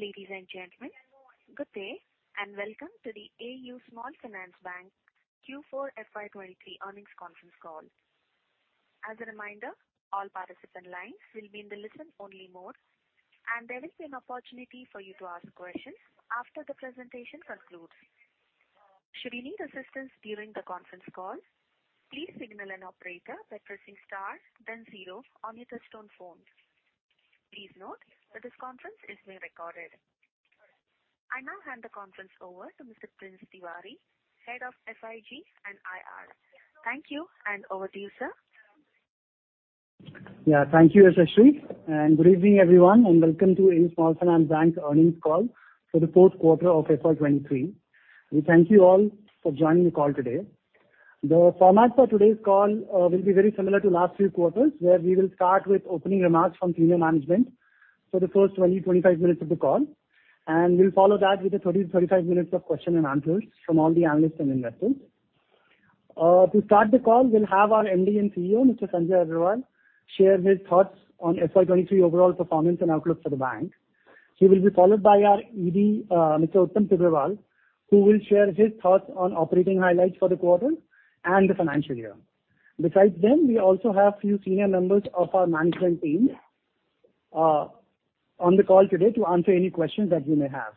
Ladies and gentlemen, good day and welcome to the AU Small Finance Bank Q4 FY23 earnings conference call. As a reminder, all participant lines will be in the listen-only mode, and there will be an opportunity for you to ask questions after the presentation concludes. Should you need assistance during the conference call, please signal an operator by pressing star then zero on your touchtone phone. Please note that this conference is being recorded. I now hand the conference over to Mr. Prince Tiwari, Head of FIG and IR. Thank you, and over to you, sir. Thank you, Asha, good evening, everyone, and welcome to AU Small Finance Bank earnings call for the fourth quarter of FY 2023. We thank you all for joining the call today. The format for today's call will be very similar to last few quarters, where we will start with opening remarks from senior management for the first 20-25 minutes of the call, we'll follow that with a 30-35 minutes of question and answers from all the analysts and investors. To start the call, we'll have our MD and CEO, Mr. Sanjay Agarwal, share his thoughts on FY 2023 overall performance and outlook for the bank. He will be followed by our ED, Mr. Uttam Tibrewal, who will share his thoughts on operating highlights for the quarter and the financial year. Besides them, we also have few senior members of our management team on the call today to answer any questions that you may have.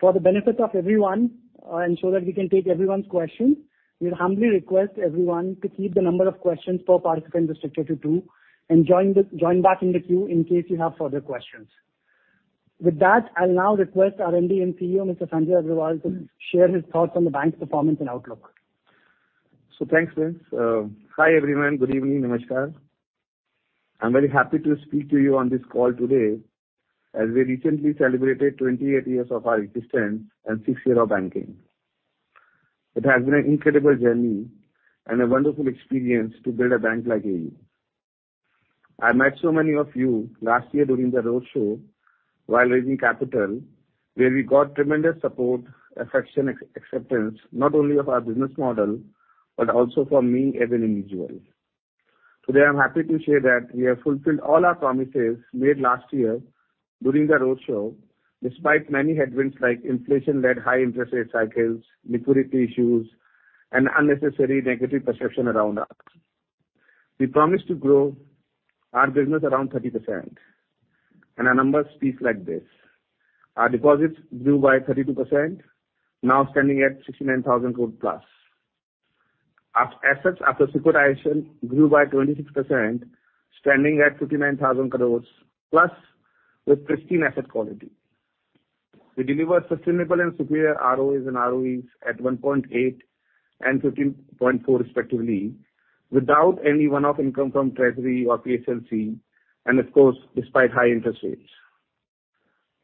For the benefit of everyone, and so that we can take everyone's question, we'll humbly request everyone to keep the number of questions per participant restricted to two and join back in the queue in case you have further questions. With that, I'll now request our MD and CEO, Mr. Sanjay Agarwal, to share his thoughts on the bank's performance and outlook. Thanks, Prince. Hi, everyone. Good evening. Namaskar. I'm very happy to speak to you on this call today, as we recently celebrated 28 years of our existence and 6 year of banking. It has been an incredible journey and a wonderful experience to build a bank like AU. I met so many of you last year during the roadshow while raising capital, where we got tremendous support, affection, acceptance, not only of our business model, but also for me as an individual. Today, I'm happy to share that we have fulfilled all our promises made last year during the roadshow, despite many headwinds like inflation-led high interest rate cycles, liquidity issues, and unnecessary negative perception around us. We promised to grow our business around 30%, our numbers speak like this. Our deposits grew by 32%, now standing at 69,000 crore plus. Our assets after securitization grew by 26%, standing at 59,000 crore+ with pristine asset quality. We deliver sustainable and superior ROEs and ROEs at 1.8 and 15.4 respectively, without any one-off income from treasury or PSLC and of course, despite high interest rates.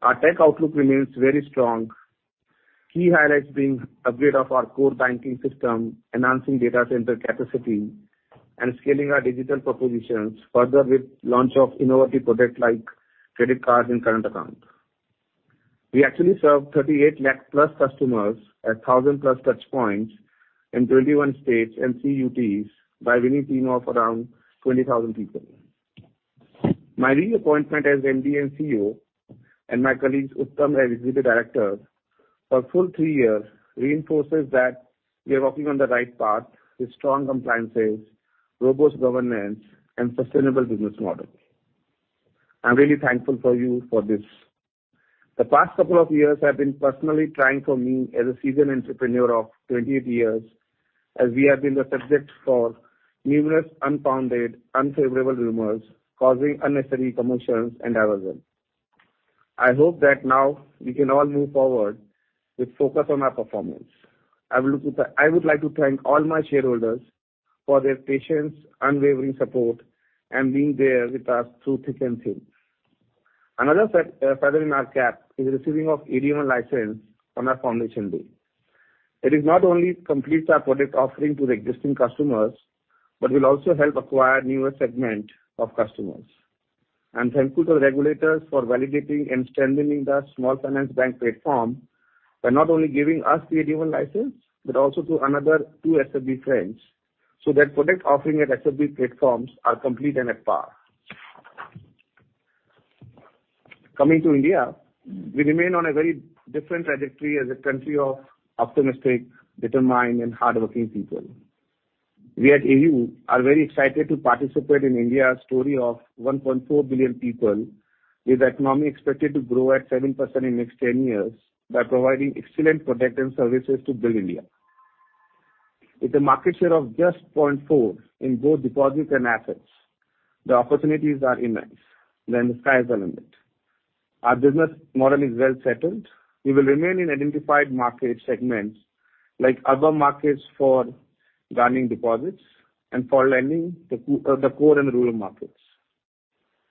Our tech outlook remains very strong. Key highlights being upgrade of our core banking system, enhancing data center capacity, and scaling our digital propositions further with launch of innovative product like credit cards and current account. We actually serve 38 lakh+ customers at 1,000+ touchpoints in 21 states and UTs by winning team of around 20,000 people. My reappointment as MD and CEO, and my colleagues, Uttam as Executive Director, for full 3 years reinforces that we are walking on the right path with strong compliances, robust governance and sustainable business model. I'm really thankful for you for this. The past couple of years have been personally trying for me as a seasoned entrepreneur of 28 years, as we have been the subject for numerous unfounded, unfavorable rumors causing unnecessary commotions and aversion. I hope that now we can all move forward with focus on our performance. I would like to thank all my shareholders for their patience, unwavering support, and being there with us through thick and thin. Another feather in our cap is receiving of AD1 license on our foundation day. It is not only completes our product offering to the existing customers, but will also help acquire newer segment of customers. I'm thankful to the regulators for validating and strengthening the small finance bank platform by not only giving us the AD1 license, but also to another two SFB friends, so that product offering at SFB platforms are complete and at par. Coming to India, we remain on a very different trajectory as a country of optimistic, determined, and hardworking people. We at AU are very excited to participate in India's story of 1.4 billion people, with economy expected to grow at 7% in next 10 years by providing excellent product and services to build India. With a market share of just 0.4 in both deposits and assets, the opportunities are immense and the sky's the limit. Our business model is well-settled. We will remain in identified market segments, like urban markets for garnering deposits and for lending the core and rural markets.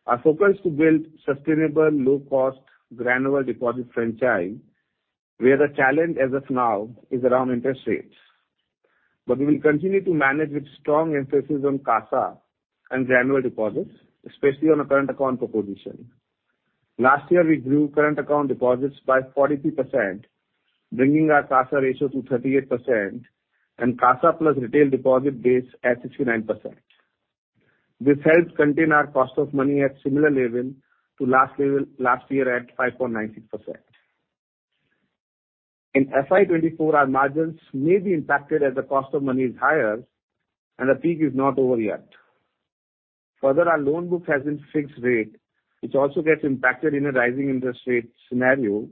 Our focus to build sustainable, low-cost, granular deposit franchise, where the challenge as of now is around interest rates. We will continue to manage with strong emphasis on CASA and granular deposits, especially on a current account proposition. Last year, we grew current account deposits by 43%. Bringing our CASA ratio to 38% and CASA plus retail deposit base at 69%. This helps contain our cost of money at similar level to last level, last year at 5.96%. In FY 2024, our margins may be impacted as the cost of money is higher and the peak is not over yet. Further, our loan book has been fixed-rate, which also gets impacted in a rising interest rate scenario.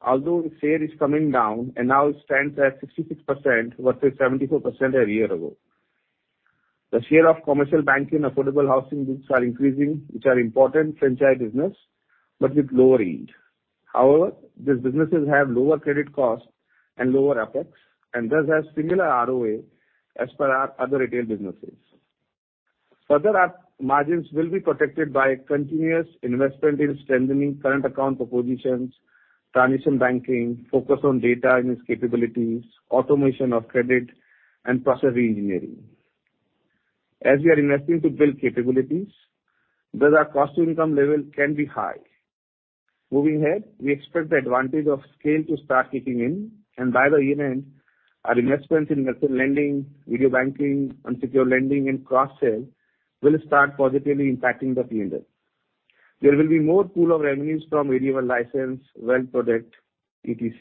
Although the share is coming down and now stands at 66% versus 74% a year ago. The share of commercial banking affordable housing books are increasing, which are important franchise business, but with lower yield. These businesses have lower credit cost and lower OpEx and thus have similar ROA as per our other retail businesses. Our margins will be protected by continuous investment in strengthening current account propositions, transition banking, focus on data and its capabilities, automation of credit and process reengineering. We are investing to build capabilities, thus our cost to income level can be high. Moving ahead, we expect the advantage of scale to start kicking in and by the year-end, our investments in merchant lending, video banking, unsecured lending and cross-sell will start positively impacting the PNL. There will be more pool of revenues from video and license, wealth product, etc.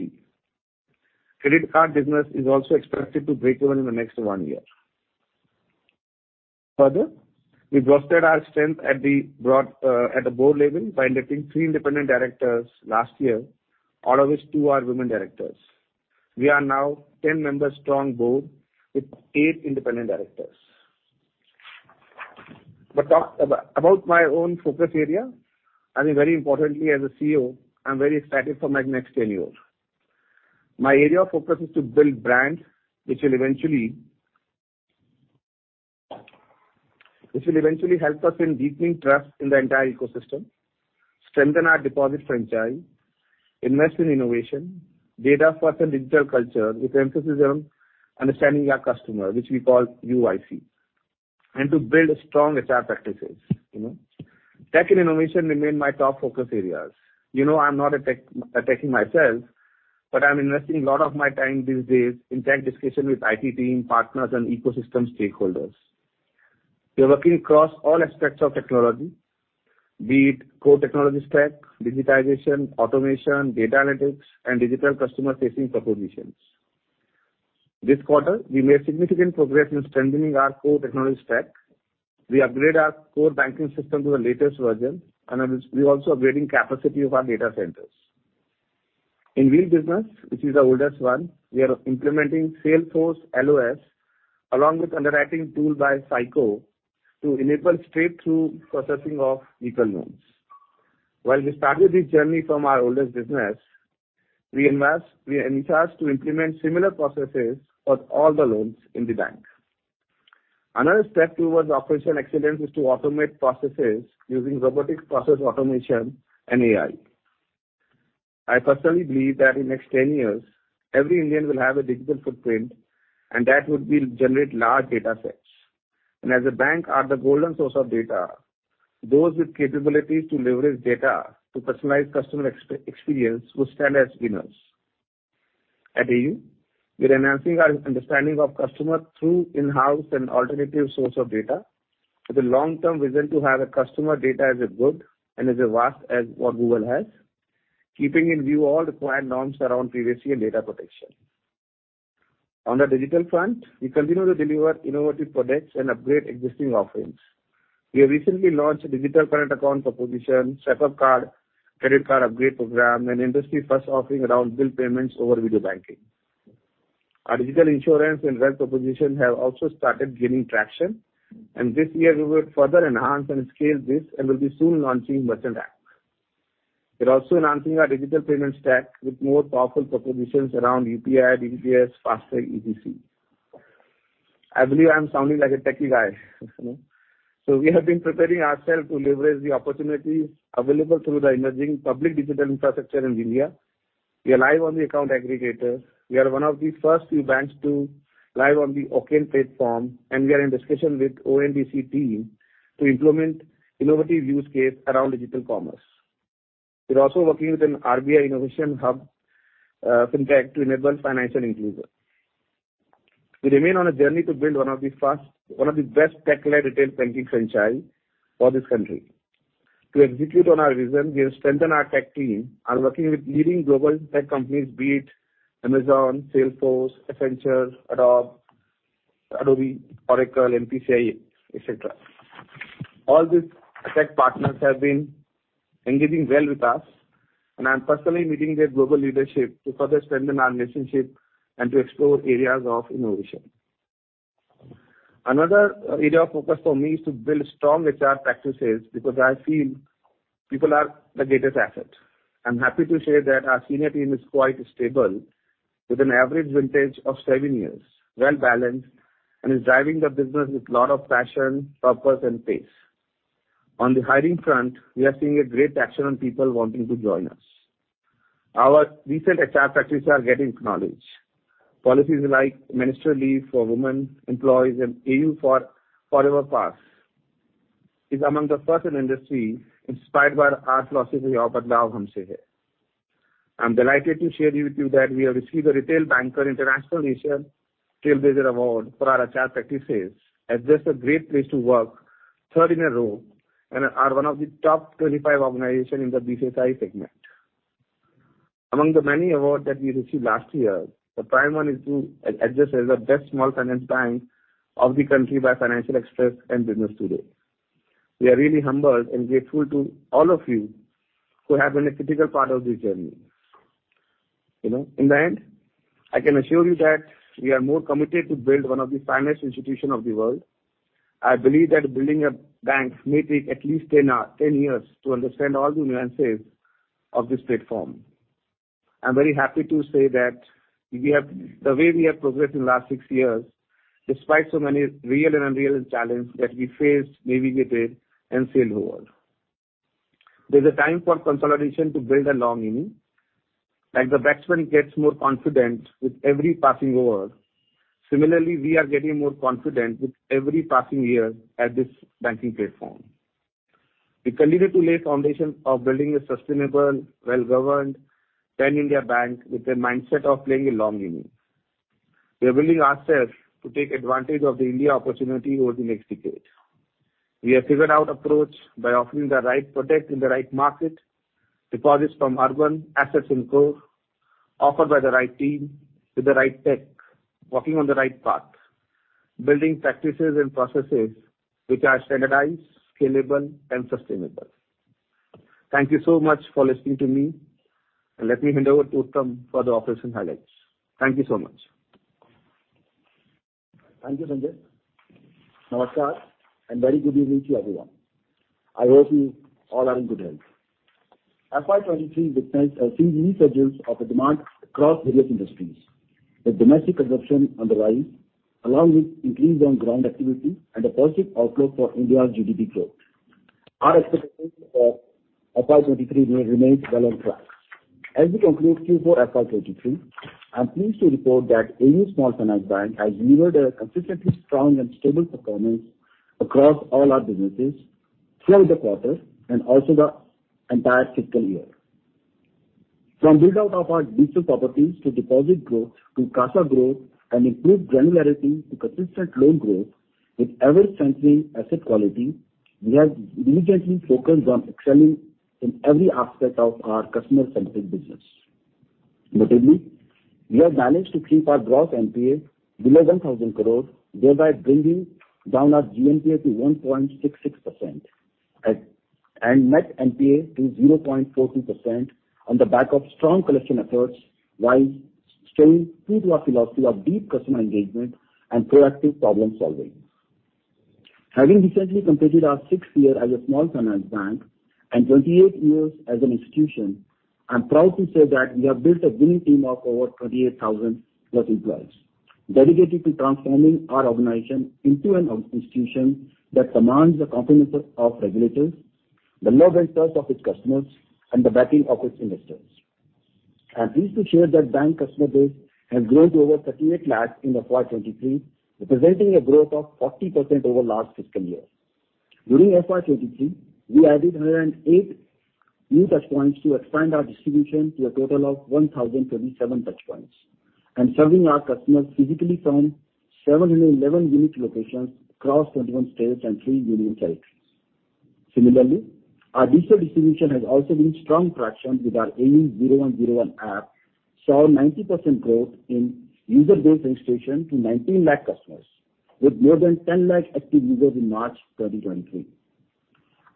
Credit card business is also expected to break even in the next one year. Further, we've bolstered our strength at the board level by inducting three independent directors last year, out of which two are women directors. We are now 10 members strong board with eight independent directors. Talk about my own focus area, I mean, very importantly, as a CEO, I'm very excited for my next tenure. My area of focus is to build brands which will eventually help us in deepening trust in the entire ecosystem, strengthen our deposit franchise, invest in innovation, data-first and digital culture with emphasis on understanding our customer, which we call UIC, and to build strong HR practices, you know. Tech and innovation remain my top focus areas. You know I'm not a techie myself, but I'm investing a lot of my time these days in tight discussion with IT team, partners and ecosystem stakeholders. We are working across all aspects of technology, be it core technology stack, digitization, automation, data analytics and digital customer-facing propositions. This quarter, we made significant progress in strengthening our core technology stack. We upgrade our core banking system to the latest version. We're also upgrading capacity of our data centers. In VL business, which is our oldest one, we are implementing Salesforce LOS along with underwriting tool by FICO to enable straight-through processing of vehicle loans. While we started this journey from our oldest business, we entice to implement similar processes for all the loans in the bank. Another step towards operational excellence is to automate processes using robotic process automation and AI. I personally believe that in next 10 years, every Indian will have a digital footprint. That would generate large data sets. As a bank are the golden source of data, those with capabilities to leverage data to personalize customer experience will stand as winners. At AU, we are enhancing our understanding of customer through in-house and alternative source of data with a long-term vision to have a customer data as a good and as vast as what Google has. Keeping in view all the required norms around privacy and data protection. On the digital front, we continue to deliver innovative products and upgrade existing offerings. We have recently launched a digital current account proposition, Step Up card, credit card upgrade program and industry-first offering around bill payments over video banking. Our digital insurance and wealth propositions have also started gaining traction, and this year we will further enhance and scale this and will be soon launching merchant app. We're also enhancing our digital payment stack with more powerful propositions around UPI, DPGs, FASTag, etc. I believe I'm sounding like a techie guy, you know. We have been preparing ourselves to leverage the opportunities available through the emerging public digital infrastructure in India. We are live on the account aggregator. We are one of the first few banks to live on the OCEN platform, and we are in discussion with ONDC team to implement innovative use case around digital commerce. We're also working with an RBI innovation hub, FinTech to enable financial inclusion. We remain on a journey to build one of the best tech-led retail banking franchise for this country. To execute on our vision, we have strengthened our tech team and working with leading global tech companies, be it Amazon, Salesforce, Accenture, Adobe, Oracle, MPCI, etc. All these tech partners have been engaging well with us. I am personally meeting their global leadership to further strengthen our relationship and to explore areas of innovation. Another area of focus for me is to build strong HR practices because I feel people are the greatest asset. I'm happy to say that our senior team is quite stable with an average vintage of 7 years, well-balanced, and is driving the business with lot of passion, purpose and pace. On the hiring front, we are seeing a great traction on people wanting to join us. Our recent HR practices are getting acknowledged. Policies like menstrual leave for women employees and AU Forever Pass is among the first in industry inspired by our philosophy of Badlaav Humse Hai. I'm delighted to share with you that we have received the Retail Banker International Asia Trailblazer Award for our HR practices as Just a Great Place to Work third in a row and are one of the top 25 organization in the BFSI segment. Among the many awards that we received last year, the prime one is to adjust as the best small finance bank of the country by Financial Express and Business Today. We are really humbled and grateful to all of you who have been a critical part of this journey. You know, in the end, I can assure you that we are more committed to build one of the finest institution of the world. I believe that building a bank may take at least 10 years to understand all the nuances of this platform. I'm very happy to say that we have. the way we have progressed in last six years, despite so many real and unreal challenges that we faced, navigated, and sailed over. There's a time for consolidation to build a long inning. Like the batsman gets more confident with every passing over, similarly, we are getting more confident with every passing year at this banking platform. We continue to lay foundation of building a sustainable, well-governed pan India bank with a mindset of playing a long inning. We are building ourselves to take advantage of the India opportunity over the next decade. We have figured out approach by offering the right product in the right market, deposits from urban, assets in core, offered by the right team with the right tech, walking on the right path, building practices and processes which are standardized, scalable, and sustainable. Thank you so much for listening to me. Let me hand over to Uttam for the operational highlights. Thank you so much. Thank you, Sanjay. Namaskar, and very good evening to you, everyone. I hope you all are in good health. FY 2023 witnessed a steady resurgence of the demand across various industries, with domestic consumption on the rise, along with increased on-ground activity and a positive outlook for India's GDP growth. Our expectations for FY 2023 remains well on track. As we conclude Q4 FY 2023, I'm pleased to report that AU Small Finance Bank has delivered a consistently strong and stable performance across all our businesses throughout the quarter and also the entire fiscal year. From build-out of our digital properties to deposit growth to CASA growth and improved granularity to consistent loan growth with ever-strengthening asset quality, we have diligently focused on excelling in every aspect of our customer-centric business. Notably, we have managed to keep our gross NPA below 1,000 crore, thereby bringing down our GNPA to 1.66% and net NPA to 0.42% on the back of strong collection efforts while staying true to our philosophy of deep customer engagement and proactive problem-solving. Having recently completed our sixth year as a small finance bank and 28 years as an institution, I'm proud to say that we have built a winning team of over 38,000+ employees, dedicated to transforming our organization into an institution that commands the confidence of regulators, the love and trust of its customers, and the backing of its investors. I'm pleased to share that bank customer base has grown to over 38 lakh in the FY23, representing a growth of 40% over last fiscal year. During FY23, we added 108 new touchpoints to expand our distribution to a total of 1,027 touchpoints and serving our customers physically from 711 unique locations across 21 states and 3 Union Territories. Our digital distribution has also gained strong traction with our AU 0101 app saw 90% growth in user base registration to 19 lakh customers with more than 10 lakh active users in March 2023.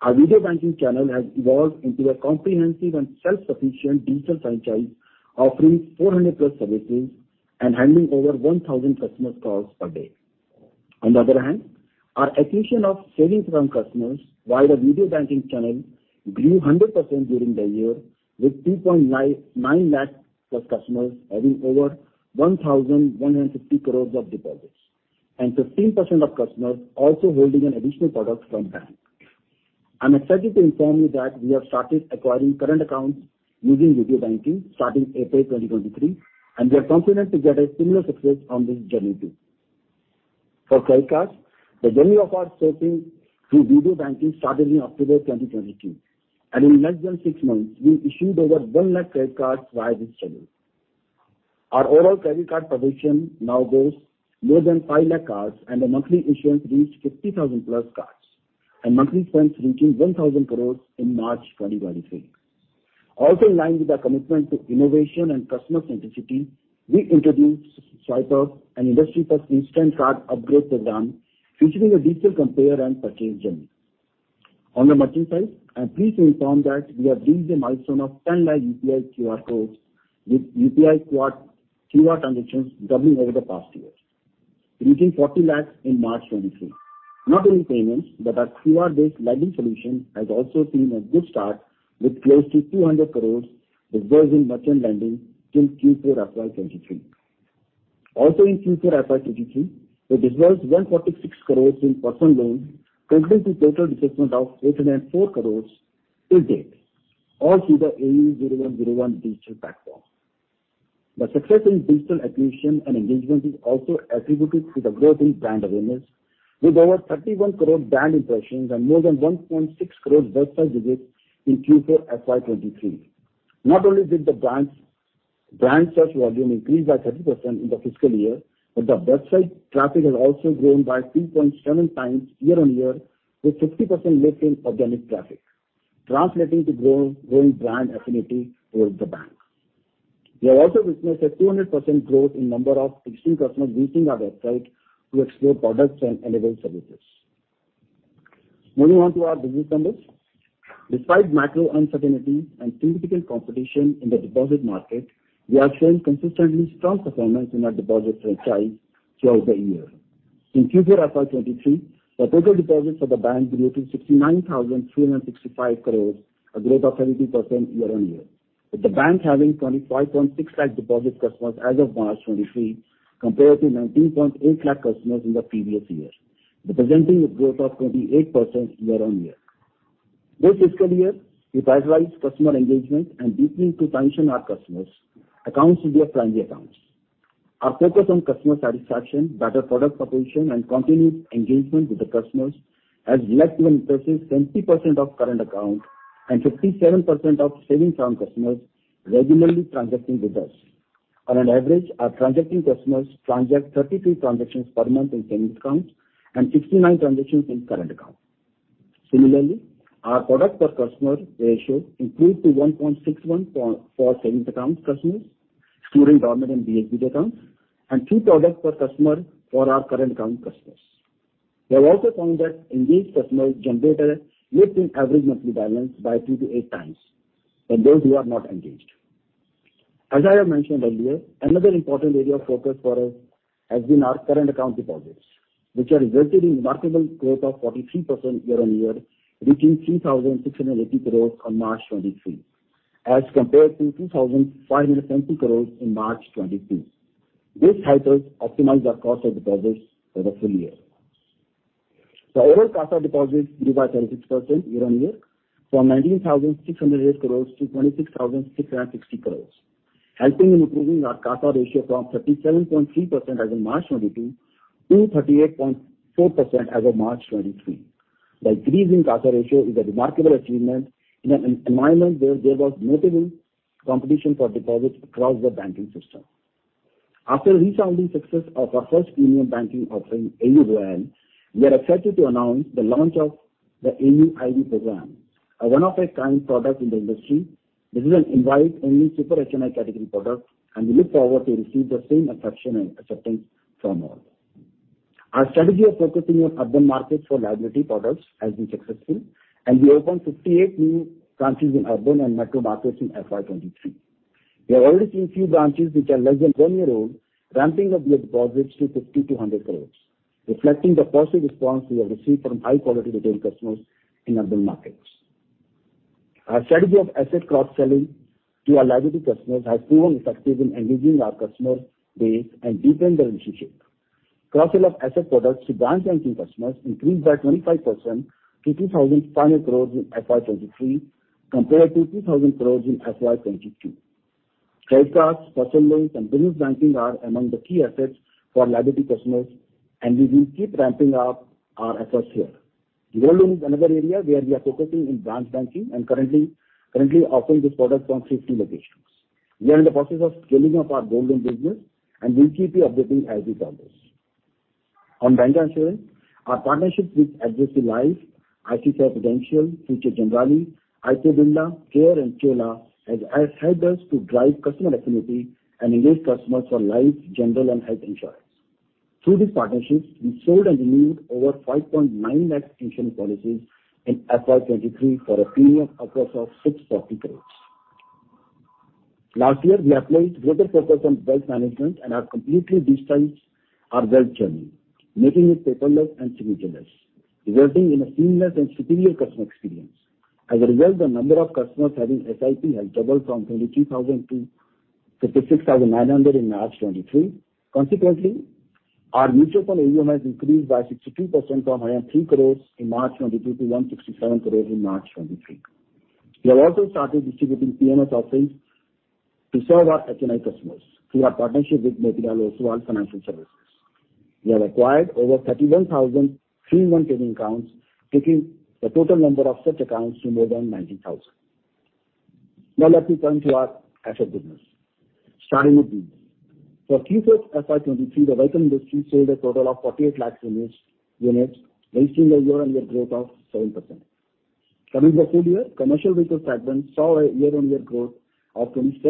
Our video banking channel has evolved into a comprehensive and self-sufficient digital franchise offering 400+ services and handling over 1,000 customer calls per day. On the other hand, our acquisition of savings from customers via the video banking channel grew 100% during the year with 2.99 lakh+ customers having over 1,150 crores of deposits, and 15% of customers also holding an additional product from bank. I'm excited to inform you that we have started acquiring current accounts using video banking starting April 2023. We are confident to get a similar success on this journey too. For credit cards, the journey of our sourcing through video banking started in October 2022. In less than 6 months, we issued over 1 lakh credit cards via this channel. Our overall credit card population now boasts more than 5 lakh cards and the monthly issuance reached 50,000+ cards and monthly spends reaching 1,000 crores in March 2023. In line with our commitment to innovation and customer centricity, we introduced SwipeUp, an industry-first instant card upgrade program featuring a digital compare and purchase journey. On the merchant side, I'm pleased to inform that we have reached the milestone of 10 lakh UPI QR codes, with UPI QR transactions doubling over the past year, reaching 40 lakh in March 2023. Not only payments, but our QR-based lending solution has also seen a good start with close to 200 crore disbursed in merchant lending till Q4 FY 2023. Also in Q4 FY23, we disbursed INR 146 crore in personal loans, contributing to total disbursement of 804 crore till date, all through the AU 0101 digital platform. The success in digital acquisition and engagement is also attributed to the growth in brand awareness, with over 31 crore brand impressions and more than 1.6 crore website visits in Q4 FY23. Not only did the brand search volume increase by 30% in the fiscal year, but the website traffic has also grown by 2.7 times year-on-year, with 60% making organic traffic, translating to growing brand affinity towards the bank. We have also witnessed a 200% growth in number of existing customers visiting our website to explore products and enable services. Moving on to our business numbers. Despite macro uncertainty and significant competition in the deposit market, we have shown consistently strong performance in our deposit franchise throughout the year. In Q4 FY23, the total deposits of the bank grew to 69,365 crores, a growth of 30% year-on-year, with the bank having 25.6 lakh deposit customers as of March 2023, compared to 19.8 lakh customers in the previous year, representing a growth of 28% year-on-year. This fiscal year, we prioritize customer engagement and looking to sanction our customers accounts with their primary accounts. Our focus on customer satisfaction, better product proposition, and continued engagement with the customers has led to an impressive 70% of current accounts and 57% of savings account customers regularly transacting with us. On an average, our transacting customers transact 32 transactions per month in savings accounts and 69 transactions in current account. Similarly, our product per customer ratio improved to 1.61 for savings accounts customers, excluding dormant and BHIM accounts, and two products per customer for our current account customers. We have also found that engaged customers generated lifting average monthly balance by two to eight times than those who are not engaged. As I have mentioned earlier, another important area of focus for us has been our current account deposits, which have resulted in remarkable growth of 43% year-on-year, reaching 3,680 crore on March 2023, as compared to 2,570 crore in March 2022. This helped us optimize our cost of deposits for the full year. The overall CASA deposits grew by 36% year-over-year from 19,608 crore rupees to 26,660 crore, helping in improving our CASA ratio from 37.3% as of March 2022 to 38.4% as of March 2023. The increase in CASA ratio is a remarkable achievement in an environment where there was notable competition for deposits across the banking system. After resounding success of our first premium banking offering, AU VAAN, we are excited to announce the launch of the AU Ivy program, a one-of-a-kind product in the industry. This is an invite-only Super HNI category product, and we look forward to receive the same affection and acceptance from all. Our strategy of focusing on urban markets for liability products has been successful, and we opened 58 new branches in urban and metro markets in FY 2023. We have already seen few branches which are less than one-year-old, ramping up their deposits to 50 crore-100 crore, reflecting the positive response we have received from high-quality retail customers in urban markets. Our strategy of asset cross-selling to our liability customers has proven effective in engaging our customer base and deepen the relationship. Cross-sell of asset products to branch banking customers increased by 25% to 2,500 crore in FY 2023, compared to 2,000 crore in FY 2022. Credit cards, personal loans, and business banking are among the key assets for liability customers. We will keep ramping up our efforts here. Gold loan is another area where we are focusing in branch banking and currently offering this product from 60 locations. We are in the process of scaling up our gold loan business and will keep you updated as we progress. On bancassurance, our partnerships with Ageas Federal Life Insurance, ICICI Prudential, Future Generali, IFFCO-Tokio / Tata AIG, Care and Chola MS has helped us to drive customer affinity and engage customers for life, general, and health insurance. Through these partnerships, we sold and renewed over 5.9 lakh insurance policies in FY23 for a premium upwards of 640 crores. Last year, we applied greater focus on wealth management and have completely digitized our wealth journey, making it paperless and signature-less, resulting in a seamless and superior customer experience. As a result, the number of customers having SIP has doubled from 22,000 to 56,900 in March 23. Consequently, our mutual fund AUM has increased by 62% from 3 crores in March 22 to 167 crores in March 23. We have also started distributing PMS offerings to serve our HNI customers through our partnership with Motilal Oswal Financial Services Financial Services. We have acquired over 31,000 AU 0101 savings accounts, taking the total number of such accounts to more than 90,000. Let me turn to our asset business. Starting with vehicles. For Q4 FY23, the vehicle industry sold a total of 48 lakh units, registering a year-on-year growth of 7%. Coming to two-wheeler, commercial vehicle segment saw a year-on-year growth of 27%,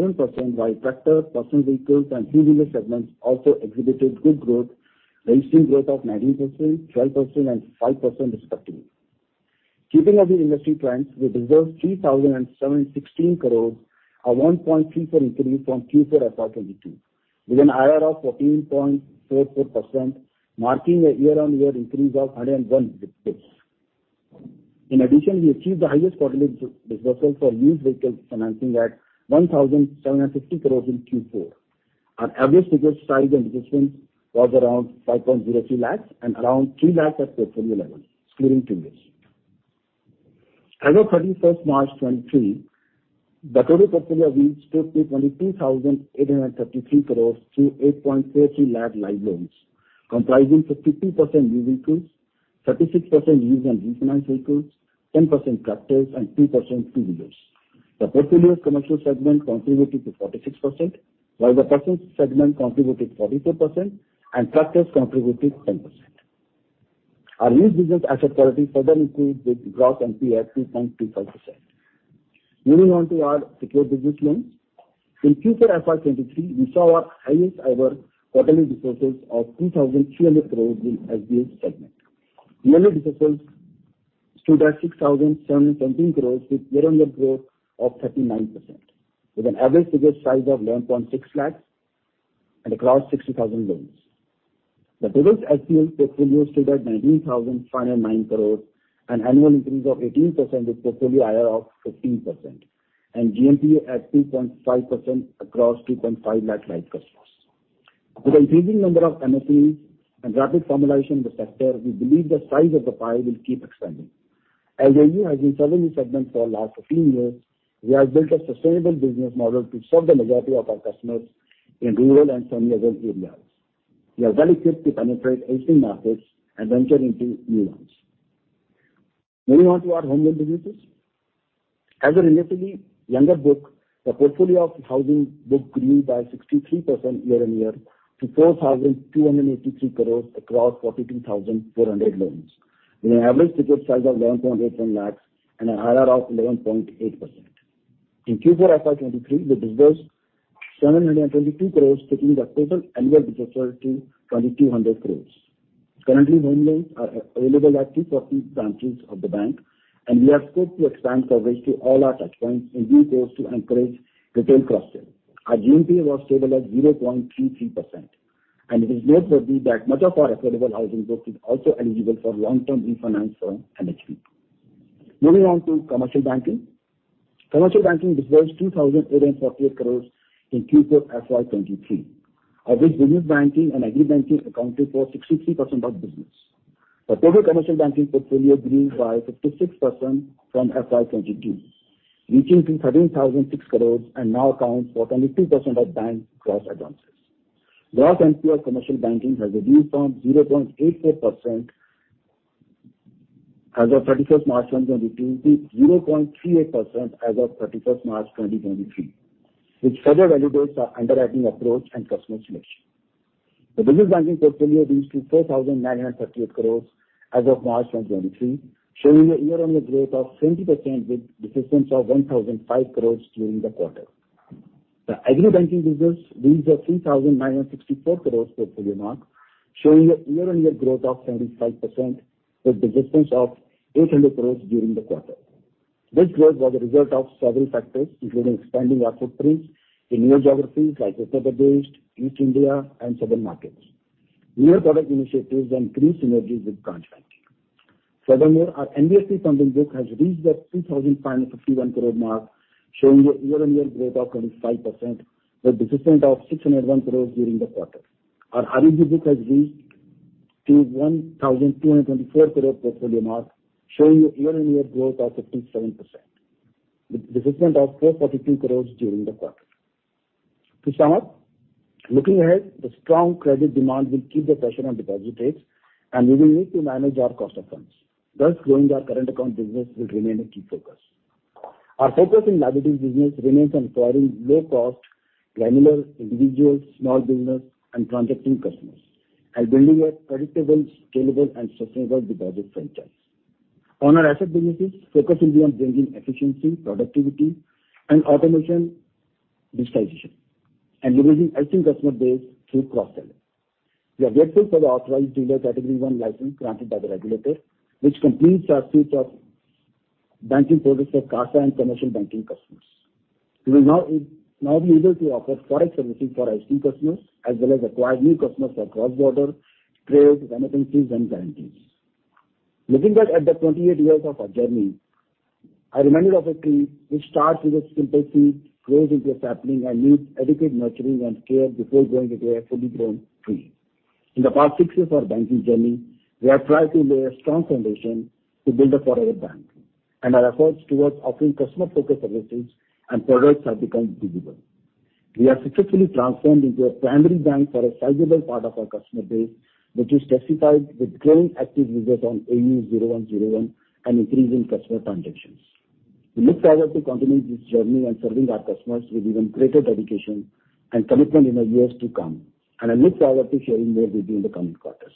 while tractor, personal vehicles, and three-wheeler segments also exhibited good growth, registering growth of 19%, 12%, and 5% respectively. Keeping up with industry trends, we dispersed 3,716 crores, a 1.34% increase from Q4 FY22, with an IRR of 14.44%, marking a year-on-year increase of 101 basis points. In addition, we achieved the highest quarterly dispersal for used vehicle financing at 1,750 crores in Q4. Our average ticket size and distributions was around 5.03 lakhs and around 3 lakhs at portfolio level, excluding two-wheelers. As of March 31, 2023, the total portfolio reached to 22,833 crores through 8.30 lakh live loans, comprising 50% new vehicles, 36% used and refinanced vehicles, 10% tractors and 2% two-wheelers. The portfolio commercial segment contributed to 46%, while the persons segment contributed 42% and tractors contributed 10%. Our used business asset quality further improved with gross NPA 2.25%. Moving on to our secured business loans. In Q4 FY23, we saw our highest ever quarterly dispersals of 2,300 crores in SBL segment. Yearly dispersals stood at 6,717 crores with year-on-year growth of 39%, with an average ticket size of 1.6 lakhs and across 60,000 loans. The dispersed SBL portfolio stood at 19,509 crores, an annual increase of 18% with portfolio IRR of 15% and GNPA at 2.5% across 2.5 lakh live customers. With increasing number of MFIs and rapid formalization in the sector, we believe the size of the pie will keep expanding. As AU has been serving this segment for last 15 years, we have built a sustainable business model to serve the majority of our customers in rural and semi-rural areas. We are well-equipped to penetrate existing markets and venture into new ones. Moving on to our home loan businesses. As a relatively younger book, the portfolio of housing book grew by 63% year-on-year to 4,283 crore across 42,400 loans, with an average ticket size of 1.7 lakh and an IRR of 11.8%. In Q4 FY 2023, we dispersed 722 crore, taking the total annual dispersal to 2,200 crore. Currently, home loans are available at 2,000 branches of the bank, and we are scoped to expand coverage to all our touchpoints in due course to encourage retail cluster. Our GNPA was stable at 0.33%. It is noteworthy that much of our affordable housing book is also eligible for long-term refinance from NHB. Moving on to commercial banking. Commercial banking dispersed 2,848 crore in Q4 FY23, of which business banking and agri banking accounted for 63% of business. The total commercial banking portfolio grew by 56% from FY22, reaching to 13,006 crore and now accounts for 22% of bank gross advances. Gross NPA commercial banking has reduced from 0.84% as of March 31, 2022 to 0.38% as of March 31, 2023, which further validates our underwriting approach and customer selection. The business banking portfolio reached to 4,938 crore as of March 2023, showing a year-on-year growth of 20% with dispersals of 1,005 crore during the quarter. The agri banking business reached a 3,964 crore portfolio mark, showing a year-on-year growth of 75% with dispersals of 800 crore during the quarter. This growth was a result of several factors, including expanding our footprint in new geographies like Uttar Pradesh, East India and southern markets, new product initiatives and increased synergies with corporate banking. Furthermore, our NBFC funding book has reached the 3,551 crore mark, showing a year-on-year growth of 25% with dispersals of 601 crore during the quarter. Our HDB book has reached to 1,224 crore portfolio mark, showing a year-on-year growth of 57%, with dispersals of 442 crore during the quarter. To sum up, looking ahead, the strong credit demand will keep the pressure on deposit rates, and we will need to manage our cost of funds. Thus, growing our current account business will remain a key focus. Our focus in liabilities business remains on acquiring low cost, granular individuals, small business and transacting customers and building a predictable, scalable and sustainable deposit franchise. On our asset businesses, focus will be on building efficiency, productivity and automation digitization and leveraging existing customer base through cross-selling. We are grateful for the authorized dealer Category one license granted by the regulator, which completes our suite of banking products for CASA and commercial banking customers. We will now be able to offer forex services for existing customers as well as acquire new customers for cross-border trade, remittances and guarantees. Looking back at the 28 years of our journey, I am reminded of a tree which starts with a simple seed, grows into a sapling and needs adequate nurturing and care before growing into a fully grown tree. In the past 6 years of our banking journey, we have tried to lay a strong foundation to build a forever bank. Our efforts towards offering customer-focused solutions and products have become visible. We have successfully transformed into a primary bank for a sizable part of our customer base, which is testified with growing active users on AU 0101 and increasing customer transactions. We look forward to continuing this journey and serving our customers with even greater dedication and commitment in the years to come. I look forward to sharing more with you in the coming quarters.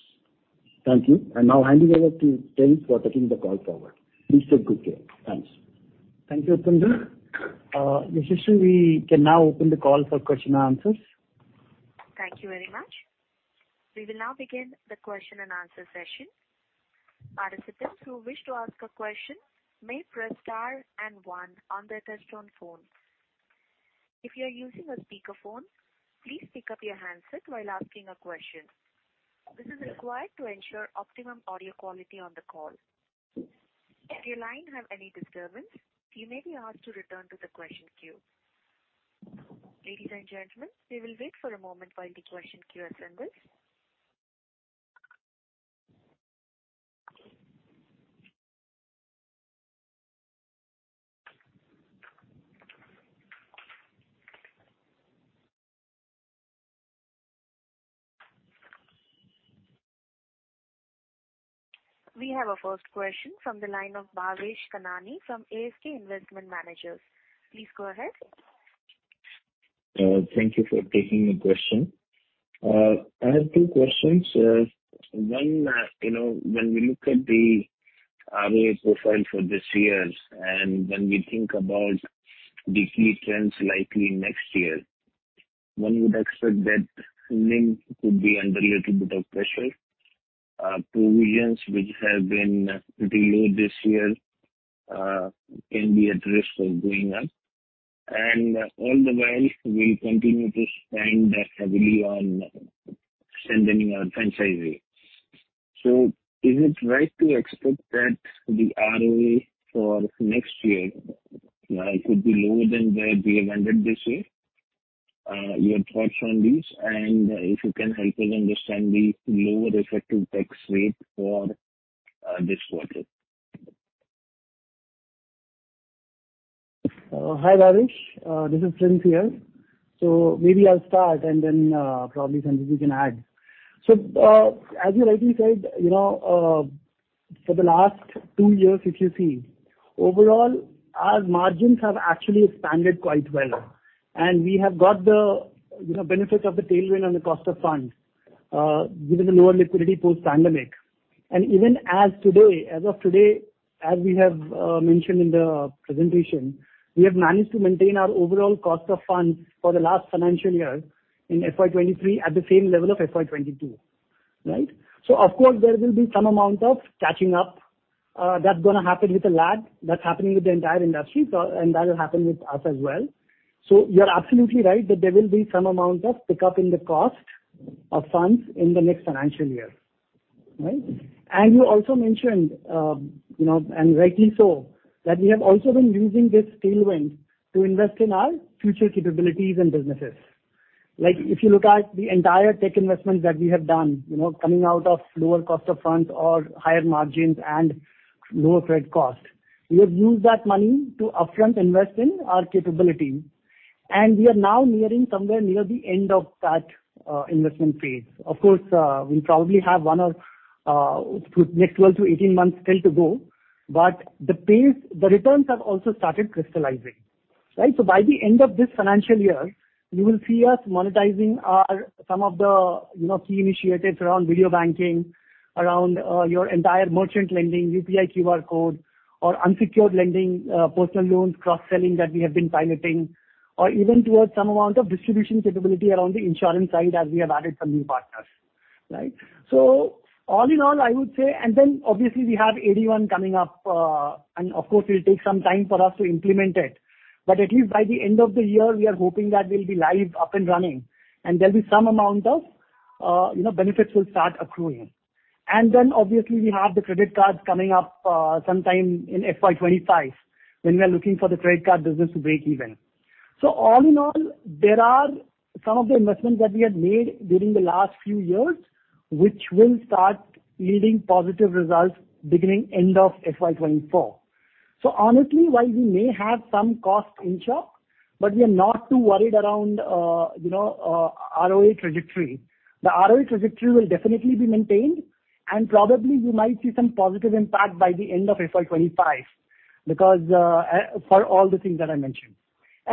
Thank you. I'm now handing over to Prince for taking the call forward. Please take good care. Thanks. Thank you, Uttam. This is Sri. We can now open the call for question and answers. Thank you very much. We will now begin the question and answer session. Participants who wish to ask a question may press star and one on their touch-tone phones. If you are using a speakerphone, please pick up your handset while asking a question. This is required to ensure optimum audio quality on the call. If your line have any disturbance, you may be asked to return to the question queue. Ladies and gentlemen, we will wait for a moment while the question queue assembles. We have our first question from the line of Bhavesh Kanani from ASK Investment Managers. Please go ahead. Thank you for taking the question. I have two questions. One, you know, when we look at the ROA profile for this year and when we think about the key trends likely next year, one would expect that NIM could be under a little bit of pressure. Provisions which have been pretty low this year, can be at risk of going up. All the while, we continue to spend heavily on sending our franchise rate. Is it right to expect that the ROA for next year, could be lower than where we have ended this year? Your thoughts on this, and if you can help us understand the lower effective tax rate for this quarter. Hi, Bhavesh. This is Prince here. Maybe I'll start and then, probably Sanjiv can add. As you rightly said, you know, for the last two years if you see, overall, our margins have actually expanded quite well. We have got the, you know, benefit of the tailwind and the cost of funds, given the lower liquidity post-pandemic. Even as today, as of today, as we have mentioned in the presentation, we have managed to maintain our overall cost of funds for the last financial year in FY23 at the same level of FY22. Right? Of course, there will be some amount of catching up, that's gonna happen with a lag. That's happening with the entire industry, and that will happen with us as well. You're absolutely right that there will be some amount of pickup in the cost of funds in the next financial year. Right? You also mentioned, you know, and rightly so, that we have also been using this tailwind to invest in our future capabilities and businesses. Like, if you look at the entire tech investments that we have done, you know, coming out of lower cost of funds or higher margins and lower credit costs, we have used that money to upfront invest in our capability. We are now nearing somewhere near the end of that investment phase. Of course, we probably have one of next 12-18 months still to go. The pace, the returns have also started crystallizing, right? By the end of this financial year, you will see us monetizing our, some of the, you know, key initiatives around video banking, around your entire merchant lending, UPI QR code or unsecured lending, personal loans, cross-selling that we have been piloting, or even towards some amount of distribution capability around the insurance side as we have added some new partners, right. All in all, I would say. Obviously we have AD1 coming up, and of course it'll take some time for us to implement it, but at least by the end of the year we are hoping that we'll be live, up and running, and there'll be some amount of, you know, benefits will start accruing. Obviously we have the credit cards coming up sometime in FY 2025 when we are looking for the credit card business to break even. All in all, there are some of the investments that we have made during the last few years, which will start yielding positive results beginning end of FY 2024. Honestly, while we may have some cost inch-up, but we are not too worried around, you know, ROA trajectory. The ROA trajectory will definitely be maintained and probably we might see some positive impact by the end of FY 2025 because for all the things that I mentioned.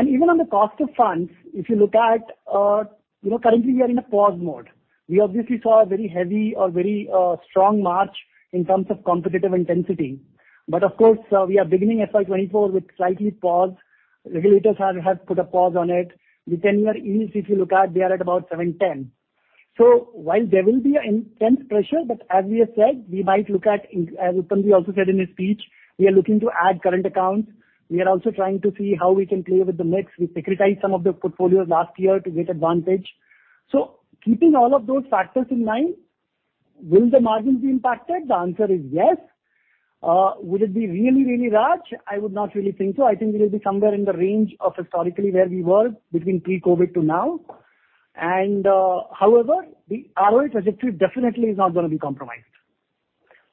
Even on the cost of funds, if you look at, you know, currently we are in a pause mode. We obviously saw a very heavy or very strong March in terms of competitive intensity. Of course, we are beginning FY 2024 with slightly pause. Regulators have put a pause on it. The 10-year ease, if you look at, we are at about 7.10. While there will be an intense pressure, but as we have said, we might look at as Uttam Tibrewal also said in his speech, we are looking to add current accounts. We are also trying to see how we can play with the mix. We securitized some of the portfolios last year to get advantage. Keeping all of those factors in mind, will the margins be impacted? The answer is yes. Would it be really, really large? I would not really think so. I think it will be somewhere in the range of historically where we were between pre-COVID to now. However, the ROA trajectory definitely is not gonna be compromised.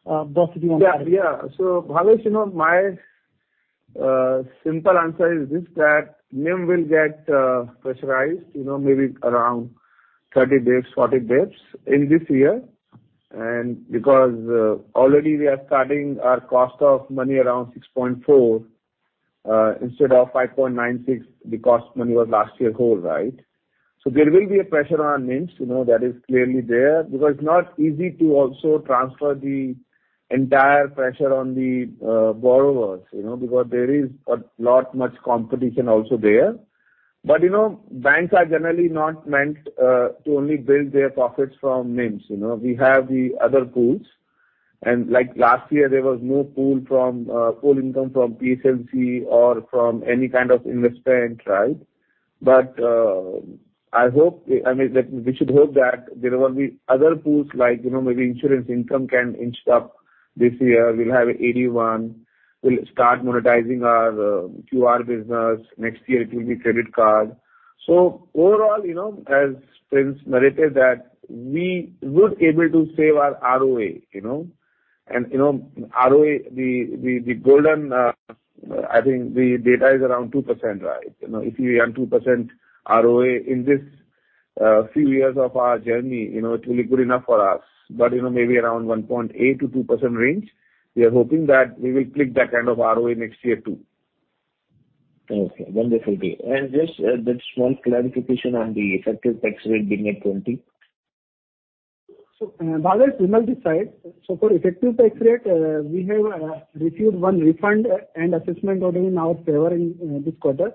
Boss, do you want to add? Yeah. Yeah. Bhavesh, you know, my simple answer is this, that NIM will get pressurized, you know, maybe around 30 bps, 40 bps in this year. Because already we are starting our cost of money around 6.4, instead of 5.96, the cost money was last year whole, right? There will be a pressure on NIMs, you know, that is clearly there because it's not easy to also transfer the entire pressure on the borrowers, you know, because there is a lot, much competition also there. Banks are generally not meant to only build their profits from NIMs, you know. We have the other pools. Like last year, there was no pool from pool income from PSLC or from any kind of investment, right? I hope, I mean, we should hope that there will be other pools like, you know, maybe insurance income can inch up this year. We'll have AD1. We'll start monetizing our QR business. Next year it will be credit card. Overall, you know, as Prince narrated that we would able to save our ROA, you know. You know, ROA, the golden, I think the data is around 2%, right? You know, if we earn 2% ROA in this few years of our journey, you know, it will be good enough for us. You know, maybe around 1.8%-2% range, we are hoping that we will click that kind of ROA next year, too. Okay. Wonderful deal. Just one clarification on the effective tax rate being at 20%. Bhavesh, Himal this side. For effective tax rate, we have received 1 refund and assessment order in our favor in this quarter,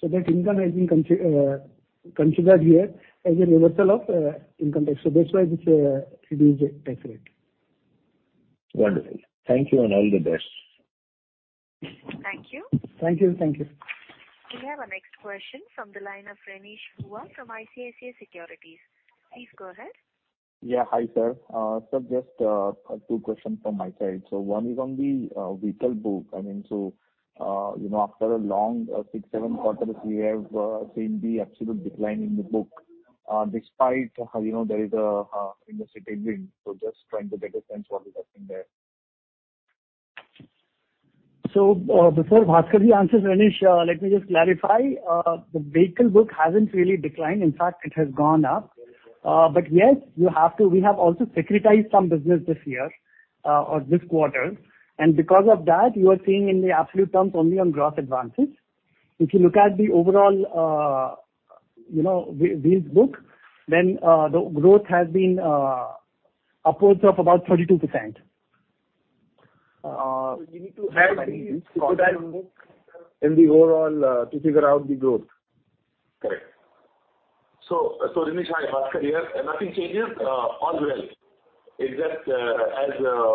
so that income has been considered here as a reversal of income tax. That's why this reduced tax rate. Wonderful. Thank you, and all the best. Thank you. Thank you. Thank you. We have our next question from the line of Renish Bhuvania from ICICI Securities. Please go ahead. Yeah. Hi, sir. just a 2 questions from my side. one is on the vehicle book. I mean, you know, after a long 6, 7 quarters we have seen the absolute decline in the book, despite, you know, there is a industry tailwind. just trying to get a sense what is happening there. Before Bhaskar answers, Renish, let me just clarify. The vehicle book hasn't really declined. In fact, it has gone up. Yes, we have also securitized some business this year, or this quarter. Because of that, you are seeing in the absolute terms only on gross advances. If you look at the overall, you know, wheels book, the growth has been upwards of about 32%. You need to add the securitized book in the overall, to figure out the growth. Correct. Renish, hi, Bhaskar here. Nothing changes. All well. It's just, as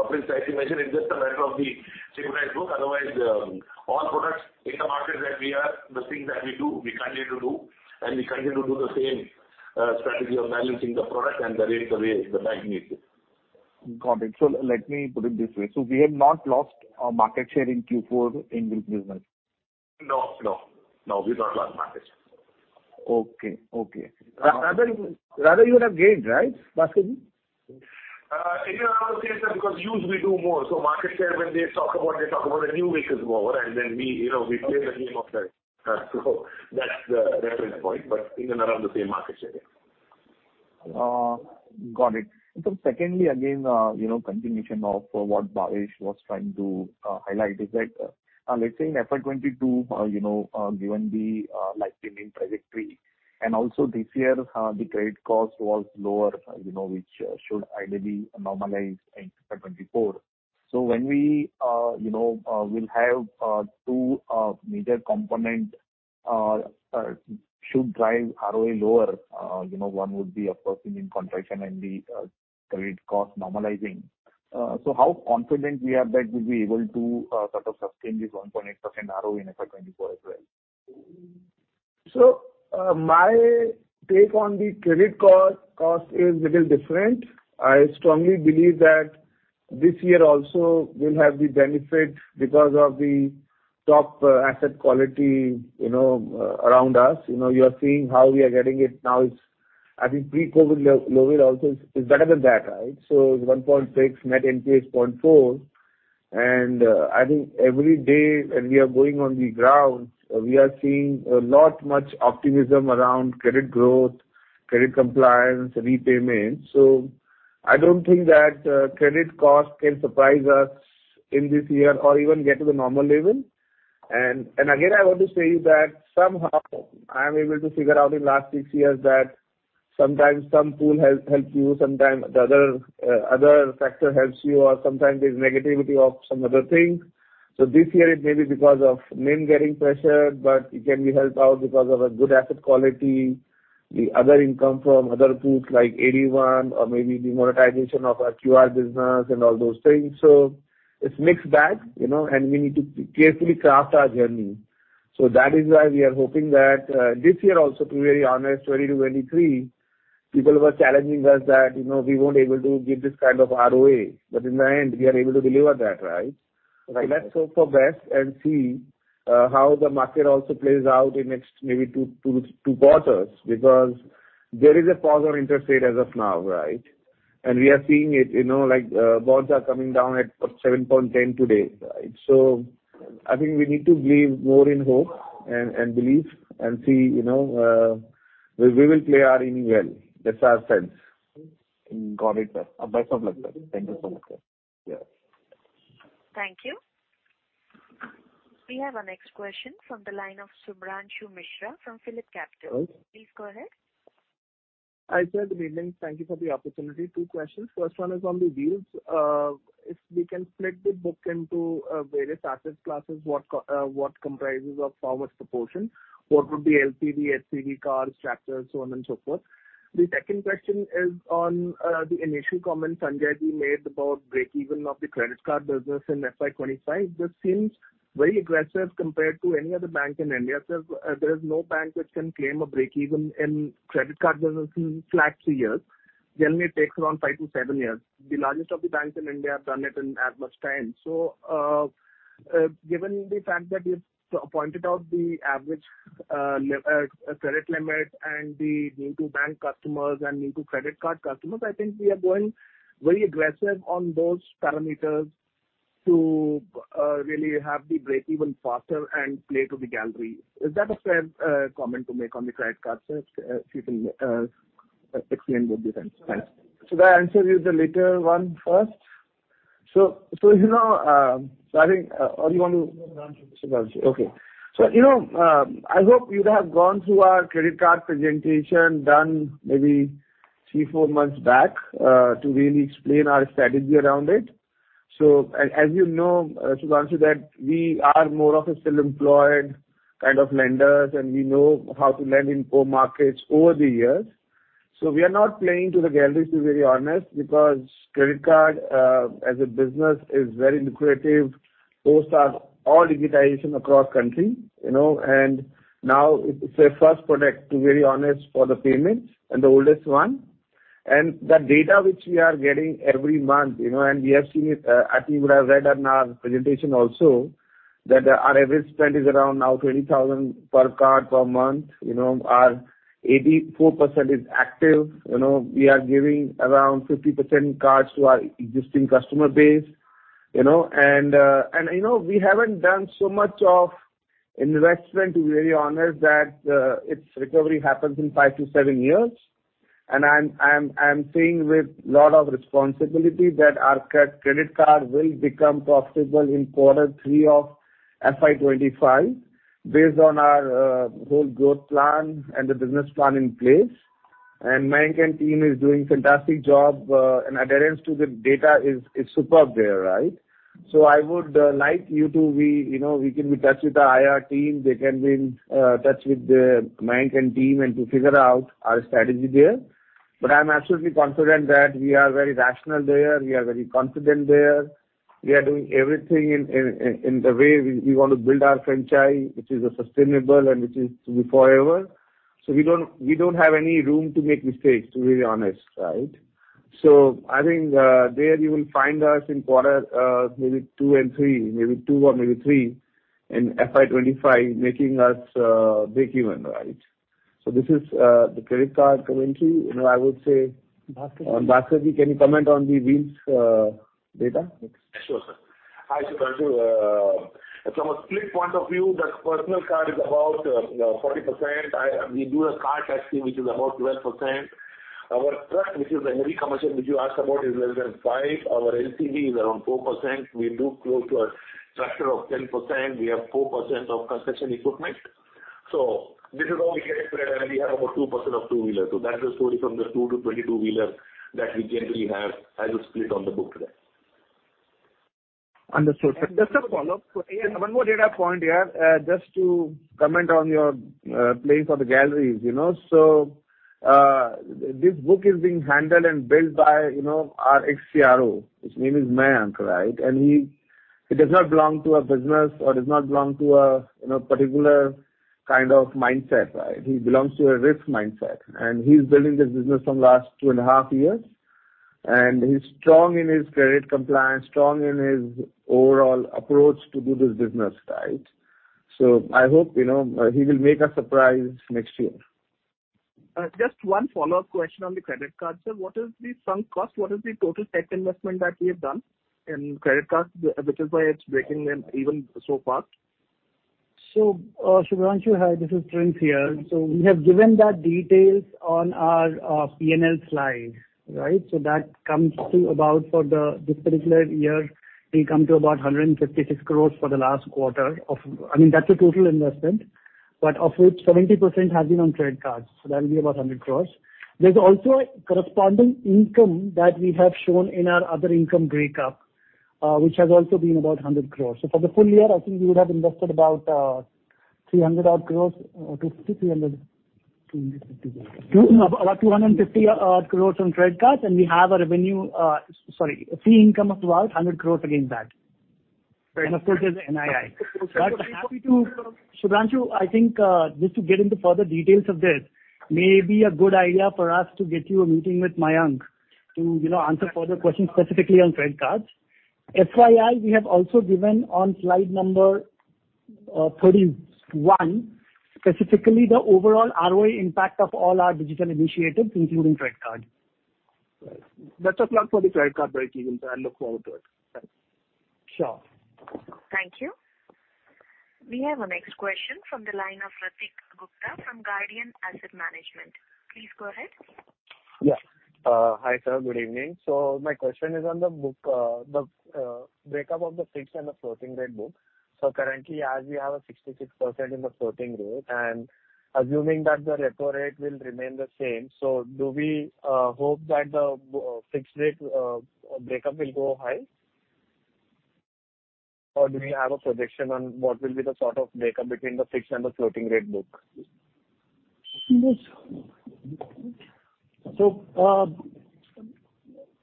Prince rightly mentioned, it's just a matter of the securitized book, otherwise, all products in the market that we are, the things that we do, we continue to do, and we continue to do the same strategy of managing the product and the risk the way the bank needs it. Got it. Let me put it this way. We have not lost market share in Q4 in this business? No, no. No, we've not lost market share. Okay. Okay. Rather you would have gained, right, Bhaskar? In and around the same, sir, because usually we do more. Market share, when they talk about, they talk about the new vehicles moreover we, you know, we play the game of that. That's the reference point, but in and around the same market share, yeah. Got it. Secondly, again, you know, continuation of what Bhavesh was trying to highlight is that, let's say in FY 2022, you know, given the like remaining trajectory and also this year, the credit cost was lower, you know, which should ideally normalize in FY 2024. When we, you know, will have 2 major component should drive ROA lower, you know, one would be of course NIM contraction and the credit cost normalizing. How confident we are that we'll be able to sort of sustain this 1.8% ROA in FY 2024 as well? My take on the credit cost is little different. I strongly believe that this year also we'll have the benefit because of the top asset quality, you know, around us. You know, you are seeing how we are getting it now is, I think pre-COVID level also is better than that, right? 1.6, Net NPA is 0.4. I think every day when we are going on the ground, we are seeing a lot, much optimism around credit growth, credit compliance, repayments. I don't think that credit cost can surprise us in this year or even get to the normal level. Again, I want to say that somehow I am able to figure out in last 6 years that sometimes some pool helps you, sometimes the other factor helps you, or sometimes there's negativity of some other things. This year it may be because of NIM getting pressure, but it can be helped out because of a good asset quality, the other income from other pools like AD1 or maybe the monetization of our QR business and all those things. It's mixed bag, you know, and we need to carefully craft our journey. That is why we are hoping that this year also to be very honest, 2022-2023, people were challenging us that, you know, we won't able to give this kind of ROA, but in the end we are able to deliver that, right? Right. Let's hope for best and see, how the market also plays out in next maybe 2 quarters because there is a pause on interest rate as of now, right? We are seeing it, you know, like, bonds are coming down at 7.10% today, right? I think we need to believe more in hope and belief and see, you know, we will play our inning well. That's our sense. Got it, sir. Best of luck, sir. Thank you so much, sir. Yeah. Thank you. We have our next question from the line of Subhranshu Mishra from PhillipCapital. Right. Please go ahead. Hi, sir. Good evening. Thank you for the opportunity. Two questions. First one is on the wheels. If we can split the book into various asset classes, what comprises of how much proportion? What would be LPV, SPV, cars, tractors, so on and so forth. The second question is on the initial comment Sanjayji made about breakeven of the credit card business in FY 2025. This seems very aggressive compared to any other bank in India, since there is no bank which can claim a breakeven in credit card business in flat three years. Generally, it takes around five to seven years. The largest of the banks in India have done it in as much time. Given the fact that you've pointed out the average credit limit and the new to bank customers and new to credit card customers, I think we are going very aggressive on those parameters to really have the breakeven faster and play to the gallery. Is that a fair comment to make on the credit card, sir? If you can explain would be fine. Thanks. Should I answer you the later one first? You know, I think, No. Okay. You know, I hope you'd have gone through our credit card presentation done maybe 3, 4 months back to really explain our strategy around it. As you know, Subhranshu, that we are more of a still employed kind of lenders, and we know how to lend in poor markets over the years. We are not playing to the galleries, to be very honest, because credit card as a business is very lucrative. Those are all digitization across country, you know. Now it's a first product, to very honest, for the payments and the oldest one. The data which we are getting every month, you know, and we have seen it, I think you would have read on our presentation also, that our average spend is around now 20,000 per card per month. Our 84% is active. We are giving around 50% cards to our existing customer base, you know. You know, we haven't done so much of investment, to be very honest, that its recovery happens in five to seven years. I'm saying with lot of responsibility that our credit card will become profitable in quarter 3 of FY25 based on our whole growth plan and the business plan in place. Mayank and team is doing fantastic job, and adherence to the data is superb there, right? I would like you to be, you know, we can be touched with the IR team. They can be in touch with the Mayank and team and to figure out our strategy there. I'm absolutely confident that we are very rational there, we are very confident there. We are doing everything in the way we want to build our franchise, which is sustainable and which is to be forever. We don't have any room to make mistakes, to be very honest, right? I think there you will find us in quarter maybe 2 and 3, maybe 2 or maybe 3 in FY25, making us breakeven, right? This is the credit card commentary. You know, Bhaskar. Bhaskar, can you comment on the wheels data? Sure, sir. Hi, Subhranshu. From a split point of view, the personal card is about 40%. We do a car testing, which is about 12%. Our truck, which is the heavy commercial which you asked about, is less than 5%. Our LCV is around 4%. We do close to a tractor of 10%. We have 4% of construction equipment. This is all we get, and we have about 2% of two-wheeler. That's the story from the 2 to 22-wheeler that we generally have as a split on the book today. Understood. Just a follow-up. One more data point here, just to comment on your playing for the galleries, you know. This book is being handled and built by, you know, our ex-CRO. His name is Mayank, right? He does not belong to a business or does not belong to a, you know, particular kind of mindset, right? He belongs to a risk mindset, he's building this business from last 2 and a half years. He's strong in his credit compliance, strong in his overall approach to do this business, right? I hope, you know, he will make a surprise next year. Just one follow-up question on the credit card, sir. What is the sunk cost? What is the total tech investment that we have done in credit card, which is why it's breaking even so fast? Sanjay Agarwal. Hi, this is Chirag Shah here. We have given that details on our PNL slide, right? That comes to about for the, this particular year, we come to about 156 crores for the last quarter of... I mean, that's a total investment, but of which 70% has been on credit cards, so that will be about 100 crores. There's also a corresponding income that we have shown in our other income breakup, which has also been about 100 crores. For the full year, I think we would have invested about 300 odd crores, 250-300. 250. About 250 crore on credit cards, and we have a revenue, sorry, a fee income of about 100 crore against that. Great. Of course, there's NII. Sanjay Agarwal, I think, just to get into further details of this, maybe a good idea for us to get you a meeting with Mayank to, you know, answer further questions specifically on credit cards. FYI, we have also given on slide number 31, specifically the overall ROA impact of all our digital initiatives, including credit card. Right. That's a plug for the credit card breakeven. I look forward to it. Thanks. Sure. Thank you. We have our next question from the line of Ratik Gupta from Carnelian Asset Management. Please go ahead. Hi, sir. Good evening. My question is on the book, the break up of the fixed and the floating rate book. Currently, as we have a 66% in the floating rate, and assuming that the repo rate will remain the same, do we hope that the fixed rate break up will go high? Or do we have a projection on what will be the sort of break up between the fixed and the floating rate book? So, uh,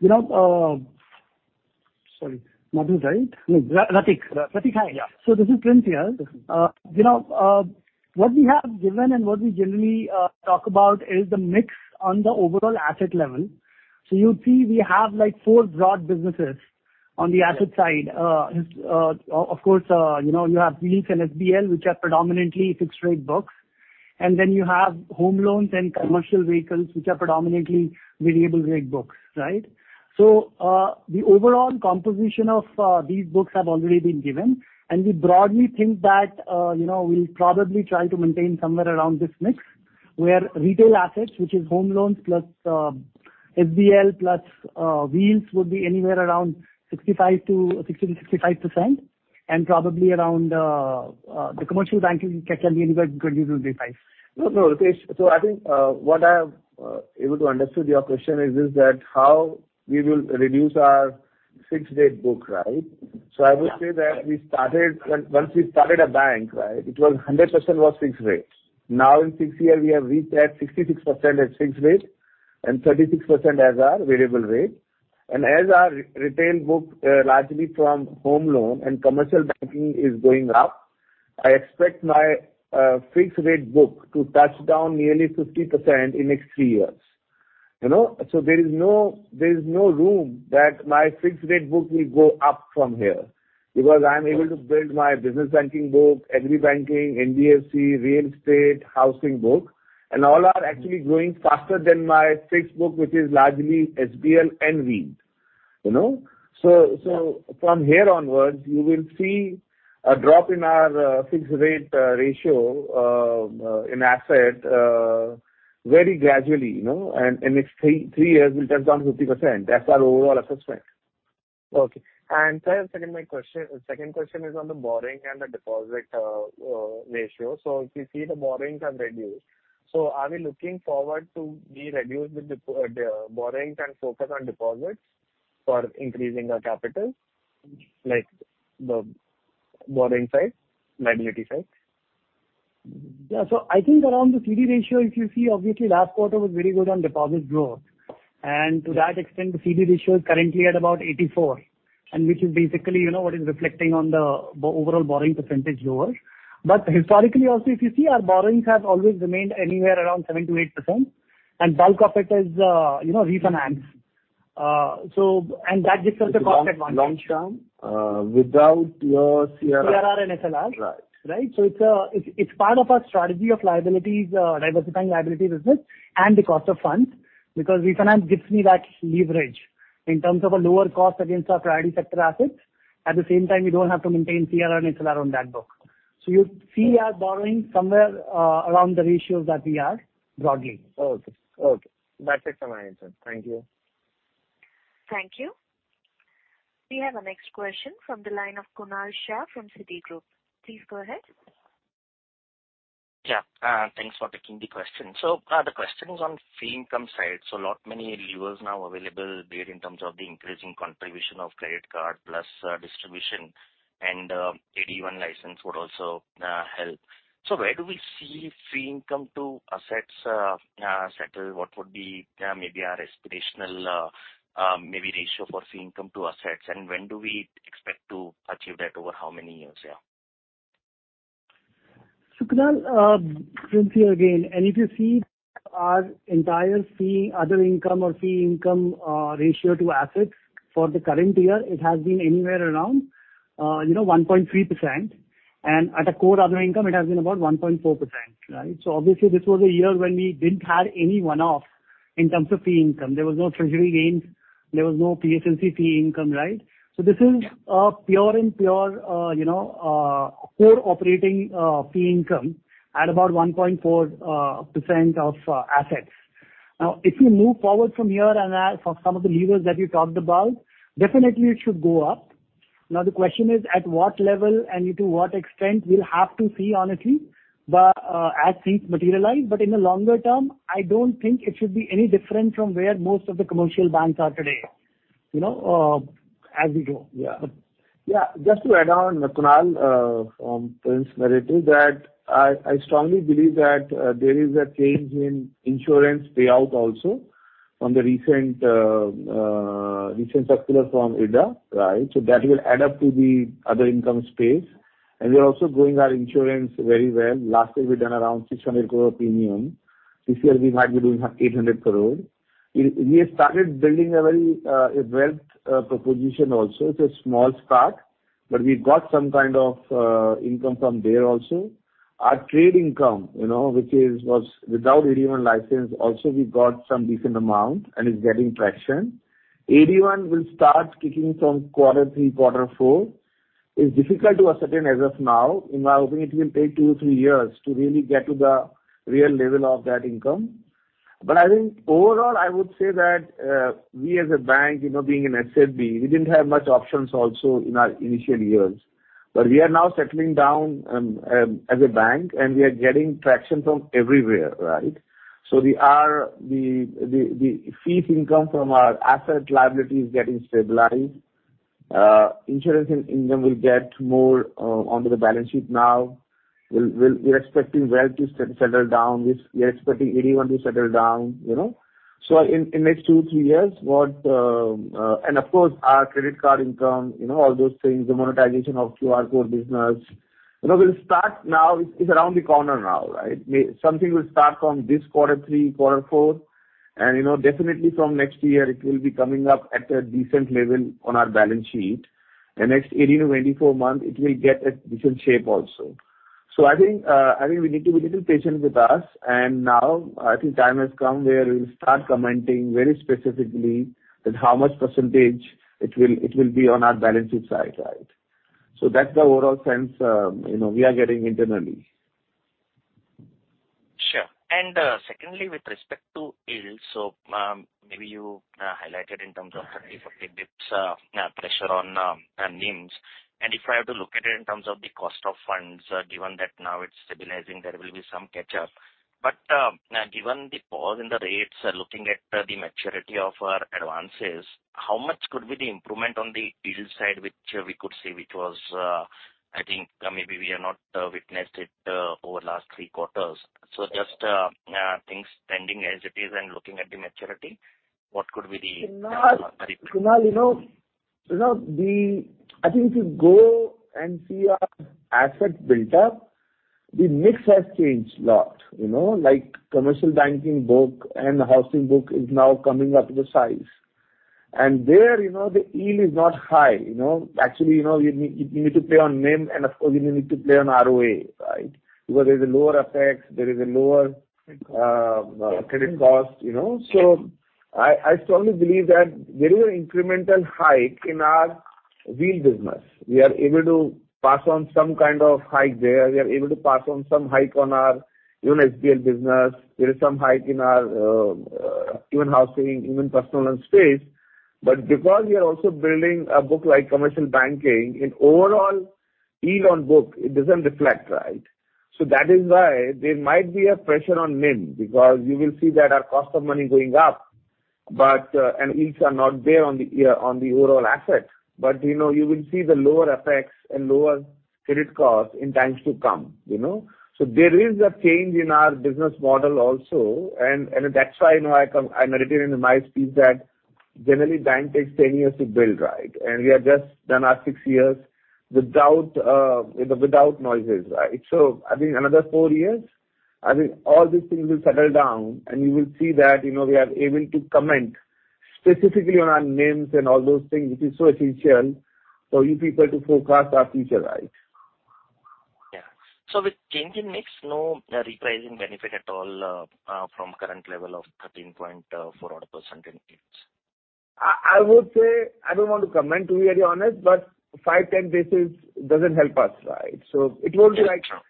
you know, um- Sorry. Madhu, right? No, Ratik. Ratik, hi, yeah. This is Prince here. You know, what we have given and what we generally talk about is the mix on the overall asset level. You'll see we have, like, four broad businesses on the asset side. Of course, you know, you have Wheels and SBL, which are predominantly fixed rate books. You have home loans and commercial vehicles, which are predominantly variable rate books, right? The overall composition of these books have already been given, and we broadly think that, you know, we'll probably try to maintain somewhere around this mix. Where retail assets, which is home loans, plus SBL, plus Wheels, would be anywhere around 60%-65%, and probably around the commercial banking No, no, Ritesh. I think what I have able to understood your question is that how we will reduce our fixed rate book, right? Yeah. I would say that we started a bank, right, it was 100% fixed rate. Now in 6 year, we have reached at 66% as fixed rate and 36% as our variable rate. As our re-retail book, largely from home loan and commercial banking is going up, I expect my fixed rate book to touch down nearly 50% in next 3 years. You know? There is no room that my fixed rate book will go up from here, because I am able to build my business banking book, agri banking, NBFC, real estate, housing book, and all are actually growing faster than my fixed book, which is largely SBL and Wheels. You know? From here onwards, you will see a drop in our fixed rate ratio in asset very gradually, you know. In next 3 years, we'll touch down 50%. That's our overall assessment. Okay. Sir, second, my question, second question is on the borrowing and the deposit ratio. If you see the borrowings have reduced. Are we looking forward to we reduce the borrowings and focus on deposits for increasing our capital? Like the borrowing side, liability side. I think around the CD ratio, if you see obviously last quarter was very good on deposit growth. To that extent, the CD ratio is currently at about 84, and which is basically, you know, what is reflecting on the overall borrowing percentage lower. Historically also, if you see our borrowings have always remained anywhere around 7%-8%, and bulk of it is, you know, refinance. That gives us a cost advantage. Long-term, without your CRR- CRR and SLR. Right. Right? It's part of our strategy of liabilities, diversifying liability business and the cost of funds. Because refinance gives me that leverage in terms of a lower cost against our priority sector assets. At the same time, we don't have to maintain CRR and SLR on that book. You see our borrowing somewhere around the ratios that we are broadly. Okay. That's it from my end, sir. Thank you. Thank you. We have our next question from the line of Kunal Shah from Citigroup. Please go ahead. Yeah. Thanks for taking the question. The question is on fee income side. Lot many levers now available there in terms of the increasing contribution of credit card plus distribution and AD1 license would also help. Where do we see fee income to assets settle? What would be maybe our aspirational maybe ratio for fee income to assets, and when do we expect to achieve that? Over how many years here? Kunal, Prince here again. If you see our entire fee, other income or fee income, ratio to assets for the current year, it has been anywhere around, you know, 1.3%. At a core other income, it has been about 1.4%, right? Obviously this was a year when we didn't have any one-off in terms of fee income. There was no treasury gains, there was no PSLC fee income, right? This is pure and pure, you know, core operating fee income at about 1.4% of assets. Now, if you move forward from here and as for some of the levers that you talked about, definitely it should go up. Now the question is at what level and to what extent, we'll have to see honestly, but, as things materialize. In the longer term, I don't think it should be any different from where most of the commercial banks are today, you know, as we grow. Yeah. Yeah. Just to add on Kunal, from Prince narrative, that I strongly believe that there is a change in insurance payout also from the recent circular from IRDA, right? That will add up to the other income space. We are also growing our insurance very well. Last year we've done around 600 crore premium. This year we might be doing 800 crore. We have started building a very a wealth proposition also. It's a small start, but we've got some kind of income from there also. Our trade income, you know, which is, was without AD1 license, also we've got some decent amount and is getting traction. AD1 will start kicking from quarter three, quarter four. It's difficult to ascertain as of now. In my opinion, it will take 2, 3 years to really get to the real level of that income. I think overall, I would say that we as a bank, you know, being an SFB, we didn't have much options also in our initial years. We are now settling down as a bank and we are getting traction from everywhere, right? Our fees income from our asset liability is getting stabilized. Insurance in them will get more onto the balance sheet now. We're expecting wealth to settle down. We are expecting AD1 to settle down, you know. In next 2, 3 years what. Of course our credit card income, you know, all those things, the monetization of QR code business. You know, we'll start now. It's around the corner now, right? Something will start from this quarter three, quarter four and, you know, definitely from next year it will be coming up at a decent level on our balance sheet. The next 18 to 24 months it will get a different shape also. I think, I think we need to be little patient with us and now I think time has come where we'll start commenting very specifically that how much % it will be on our balance sheet side, right? That's the overall sense, you know, we are getting internally. Sure. Secondly with respect to yield, so maybe you highlighted in terms of 30, 40 bps pressure on NIMs. If I have to look at it in terms of the cost of funds, given that now it's stabilizing there will be some catch-up. Given the pause in the rates, looking at the maturity of our advances, how much could be the improvement on the yield side which we could see, which was, I think, maybe we have not witnessed it over last three quarters. Just things standing as it is and looking at the maturity, what could be the. Kunal- potential on that? Kunal, you know, the... I think if you go and see our asset build up, the mix has changed a lot, you know. Like commercial banking book and housing book is now coming up to the size. There, you know, the yield is not high, you know. Actually, you know, you need to play on NIM and of course you need to play on ROA, right? Because there is a lower OpEx, there is a lower. Right... credit cost, you know. I strongly believe that there is an incremental hike in our VL business. We are able to pass on some kind of hike there. We are able to pass on some hike on our even HBL business. There is some hike in our even housing, even personal loan space. Because we are also building a book like commercial banking, in overall yield on book, it doesn't reflect, right? That is why there might be a pressure on NIM because you will see that our cost of money going up, and yields are not there on the overall asset. You know, you will see the lower OpEx and lower credit cost in times to come, you know. There is a change in our business model also and that's why I mentioned in my speech that generally bank takes 10 years to build, right? We have just done our six years without, you know, without noises, right? I think another four years, I think all these things will settle down and you will see that, you know, we are able to comment specifically on our NIMs and all those things which is so essential for you people to forecast our future, right? Yeah. With change in mix, no repricing benefit at all from current level of 13.4 odd % in yields? I would say I don't want to comment to be very honest, but 5, 10 basis doesn't help us, right? It won't be like. Yeah, sure.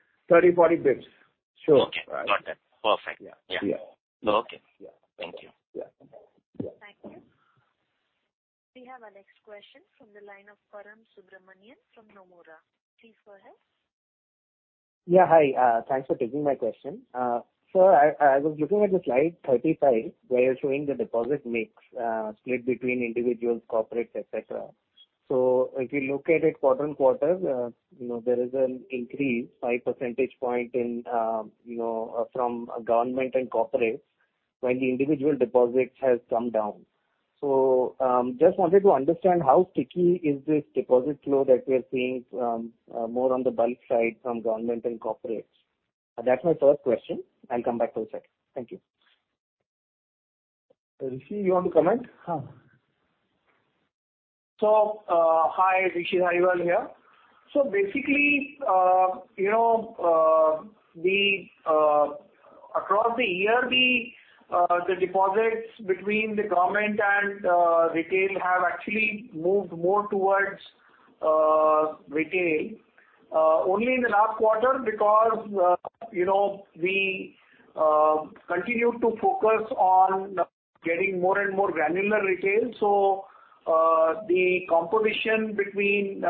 30, 40 basis points. Sure. Okay. Right. Got that. Perfect. Yeah. Yeah. Yeah. Okay. Yeah. Thank you. Yeah. Thank you. We have our next question from the line of Parameswaran Subramanian from Nomura. Please go ahead. Yeah. Hi, thanks for taking my question. I was looking at the slide 35 where you're showing the deposit mix, split between individuals, corporates, et cetera. If you look at it quarter-on-quarter, you know, there is an increase 5 percentage point in, you know, from government and corporates when the individual deposits has come down. Just wanted to understand how sticky is this deposit flow that we are seeing from, more on the bulk side from government and corporates? That's my first question. I'll come back with the second. Thank you. Rishi, you want to comment? Sure. Hi, Rishi Agarwal here. Basically, you know, the across the year the deposits between the government and retail have actually moved more towards retail. Only in the last quarter because, you know, we continue to focus on getting more and more granular retail. The composition between,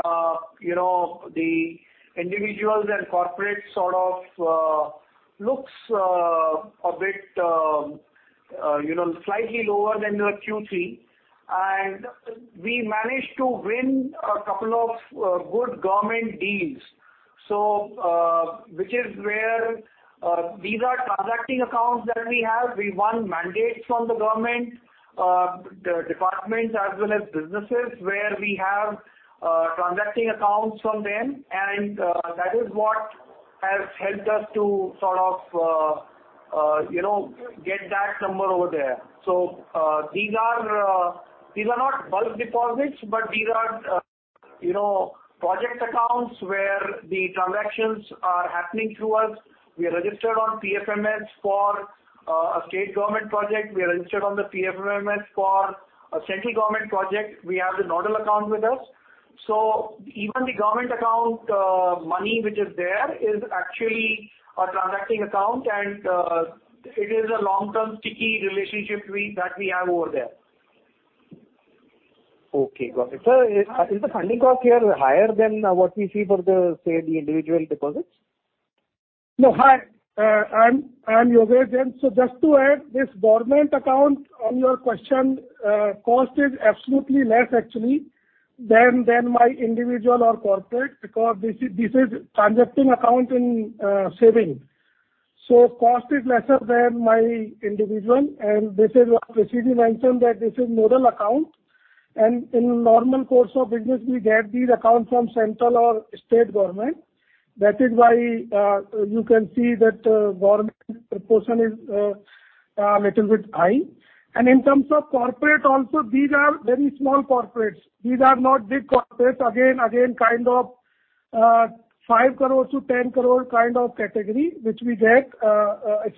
you know, the individuals and corporates sort of looks a bit, you know, slightly lower than the Q3. We managed to win a couple of good government deals. Which is where these are transacting accounts that we have. We won mandates from the government, the departments as well as businesses where we have transacting accounts from them and that is what has helped us to sort of, you know, get that number over there. These are, these are not bulk deposits, but these are, you know, project accounts where the transactions are happening through us. We are registered on PFMS for a state government project. We are registered on the PFMS for a central government project. We have the nodal account with us. Even the government account, money which is there is actually a transacting account and it is a long-term sticky relationship we, that we have over there. Okay. Got it. Sir, is the funding cost here higher than what we see for the, say, the individual deposits? No, hi. I'm Yogesh. Just to add this government account, on your question, cost is absolutely less actually than my individual or corporate because this is transacting account in savings. Cost is lesser than my individual and this is what Rishi mentioned that this is model account. In normal course of business we get these accounts from central or state government. That is why, you can see that government proportion is a little bit high. In terms of corporate also, these are very small corporates. These are not big corporates. Kind of 5 crore-10 crore kind of category, which we get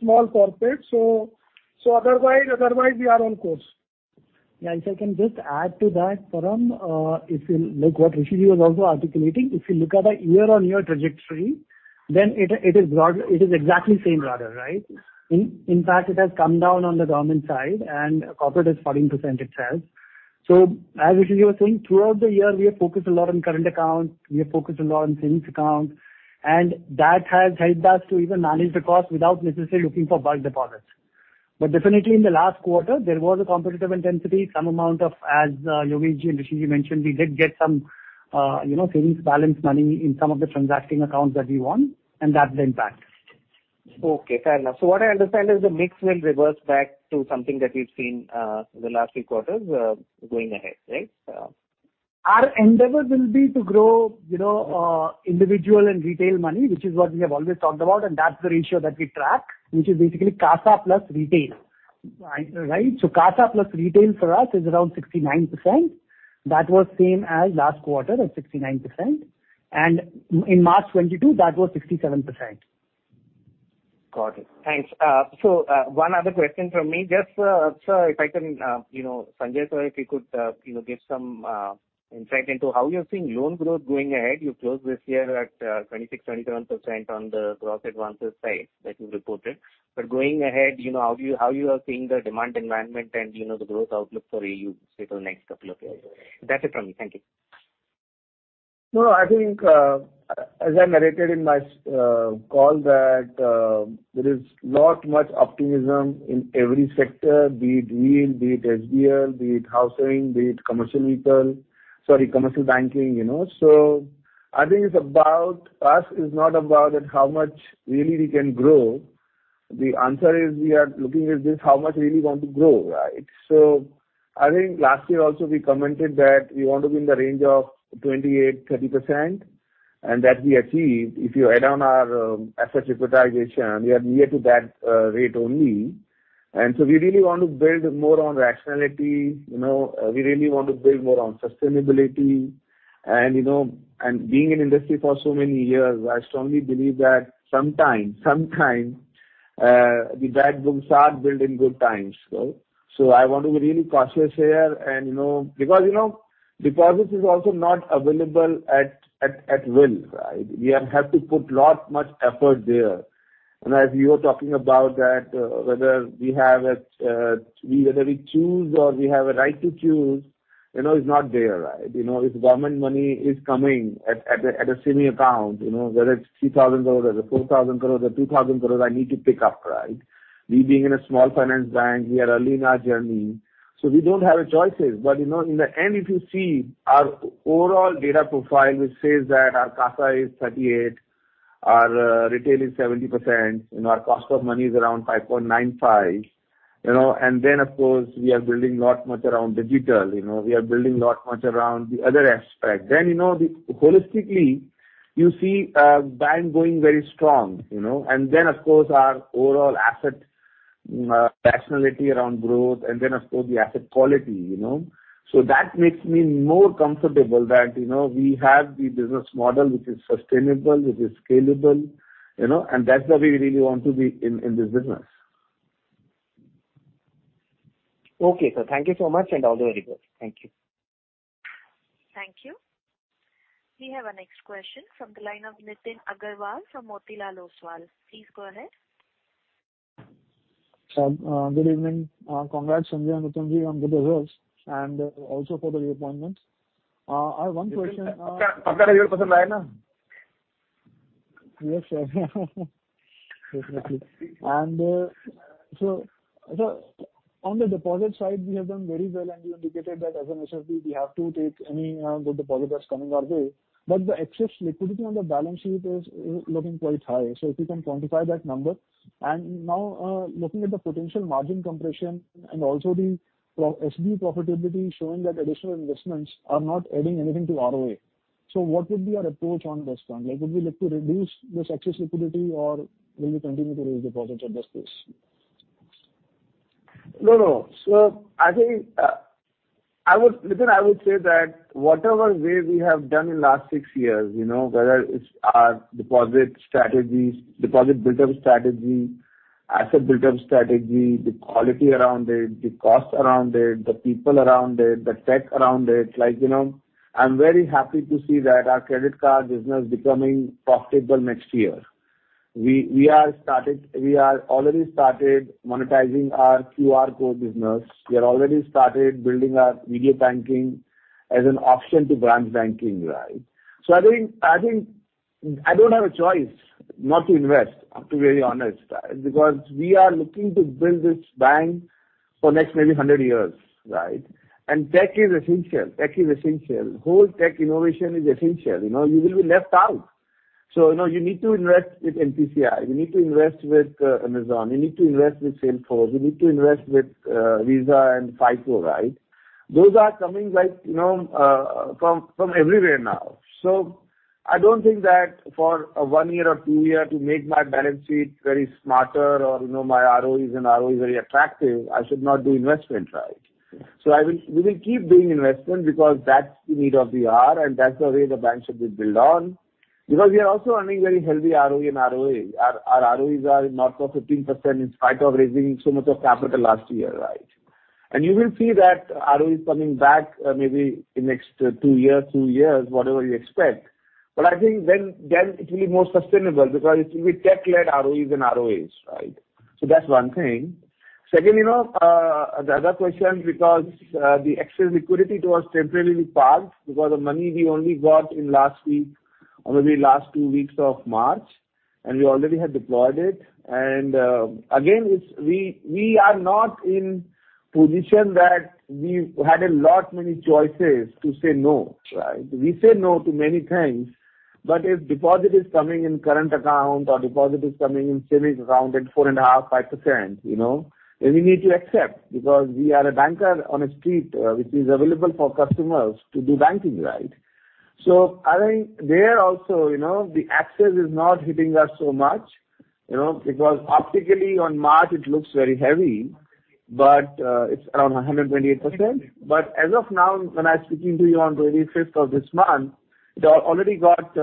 small corporate. Otherwise, we are on course. Yeah. If I can just add to that, Param, if you look what Rishi Agarwal was also articulating, if you look at a year-on-year trajectory then it is exactly same rather, right? In, in fact, it has come down on the government side and corporate is 14% itself. As Rishi Agarwal was saying, throughout the year we have focused a lot on current accounts, we have focused a lot on savings accounts, and that has helped us to even manage the cost without necessarily looking for bulk deposits. Definitely in the last quarter there was a competitive intensity, some amount of as Yogesh and Rishi Agarwal mentioned, we did get some, you know, savings balance money in some of the transacting accounts that we won and that's impacted. Okay, fair enough. What I understand is the mix will reverse back to something that we've seen, the last few quarters, going ahead, right? Our endeavor will be to grow, you know, individual and retail money, which is what we have always talked about. That's the ratio that we track, which is basically CASA plus retail. Right? CASA plus retail for us is around 69%. That was same as last quarter of 69%. In March 2022 that was 67%. Got it. Thanks. one other question from me. Just, sir, if I can, you know, Sanjay, sir, if you could, you know, give some insight into how you're seeing loan growth going ahead. You closed this year at 26%-27% on the Gross Advances side that you reported. Going ahead, you know, how you are seeing the demand environment and, you know, the growth outlook for AU for the next couple of years. That's it from me. Thank you. I think, as I narrated in my call that, there is lot much optimism in every sector, be it wheel, be it SBL, be it housing, be it commercial retail, sorry, commercial banking, you know. I think it's about us, it's not about that how much really we can grow. The answer is we are looking at this, how much we really want to grow, right? I think last year also we commented that we want to be in the range of 28-30% and that we achieved. If you add on our asset prioritization, we are near to that rate only. We really want to build more on rationality, you know, we really want to build more on sustainability and, you know, and being in industry for so many years, I strongly believe that sometime the uncertain are built in good times, right? I want to be really cautious here and, you know, because, you know, deposits is also not available at will, right? We have to put lot, much effort there. As you are talking about that, whether we choose or we have a right to choose, you know, it's not there, right? You know, if government money is coming at a semi account, you know, whether it's 3,000 crore or 4,000 crore or 2,000 crore, I need to pick up, right? We being in a small finance bank, we are early in our journey, so we don't have choices. You know, in the end if you see our overall data profile which says that our CASA is 38%, our retail is 70% and our cost of money is around 5.95%, you know. Of course we are building lot much around digital, you know. You know Holistically you see bank going very strong, you know. Of course our overall asset rationality around growth and then of course the asset quality, you know. That makes me more comfortable that, you know, we have the business model which is sustainable, which is scalable, you know, and that's where we really want to be in this business. Okay, sir. Thank you so much and all the very best. Thank you. Thank you. We have our next question from the line of Nitin Aggarwal from Motilal Oswal Financial Services. Please go ahead. Good evening. Congrats Sanjay and Ritu ji on good results and also for the reappointments. I have one question. Yes, sir. Definitely. On the deposit side we have done very well and you indicated that as an SFB we have to take any good deposit that's coming our way. The excess liquidity on the balance sheet is looking quite high. If you can quantify that number? Now, looking at the potential margin compression and also the pro- SFB profitability showing that additional investments are not adding anything to ROA. What would be your approach on this front? Like, would we look to reduce this excess liquidity or will you continue to raise deposits at this pace? No, no. I think, Nitin, I would say that whatever way we have done in last six years, you know, whether it's our deposit strategies, deposit build-up strategy, asset build-up strategy, the quality around it, the cost around it, the people around it, the tech around it, like, you know. I'm very happy to see that our credit card business becoming profitable next year. We are already started monetizing our QR code business. We have already started building our video banking as an option to branch banking, right? I think I don't have a choice not to invest, I have to be very honest, because we are looking to build this bank for next maybe 100 years, right? Tech is essential. Tech is essential. Whole tech innovation is essential. You know, you will be left out. You know, you need to invest with NPCI, you need to invest with Amazon, you need to invest with Salesforce, you need to invest with Visa and FICO, right? Those are coming like, you know, from everywhere now. I don't think that for 1 year or 2 years to make my balance sheet very smarter or, you know, my ROEs and ROAs very attractive, I should not do investment, right? We will keep doing investment because that's the need of the hour and that's the way the bank should be build on. We are also earning very healthy ROE and ROA. Our ROEs are north of 15% in spite of raising so much of capital last year, right? You will see that ROE is coming back, maybe in next 2 years, whatever you expect. I think then it will be more sustainable because it will be tech-led ROEs and ROAs, right? That's one thing. Second, you know, the other question, because the excess liquidity towards temporarily parked because the money we only got in last week or maybe last two weeks of March, and we already have deployed it. Again, it's we are not in position that we had a lot many choices to say no, right? We said no to many things. If deposit is coming in current account or deposit is coming in savings account at 4.5%, 5%, you know, then we need to accept because we are a banker on a street, which is available for customers to do banking, right? I think there also, you know, the access is not hitting us so much, you know, because optically on March it looks very heavy, but it's around 128%. As of now, when I'm speaking to you on 25th of this month, it already got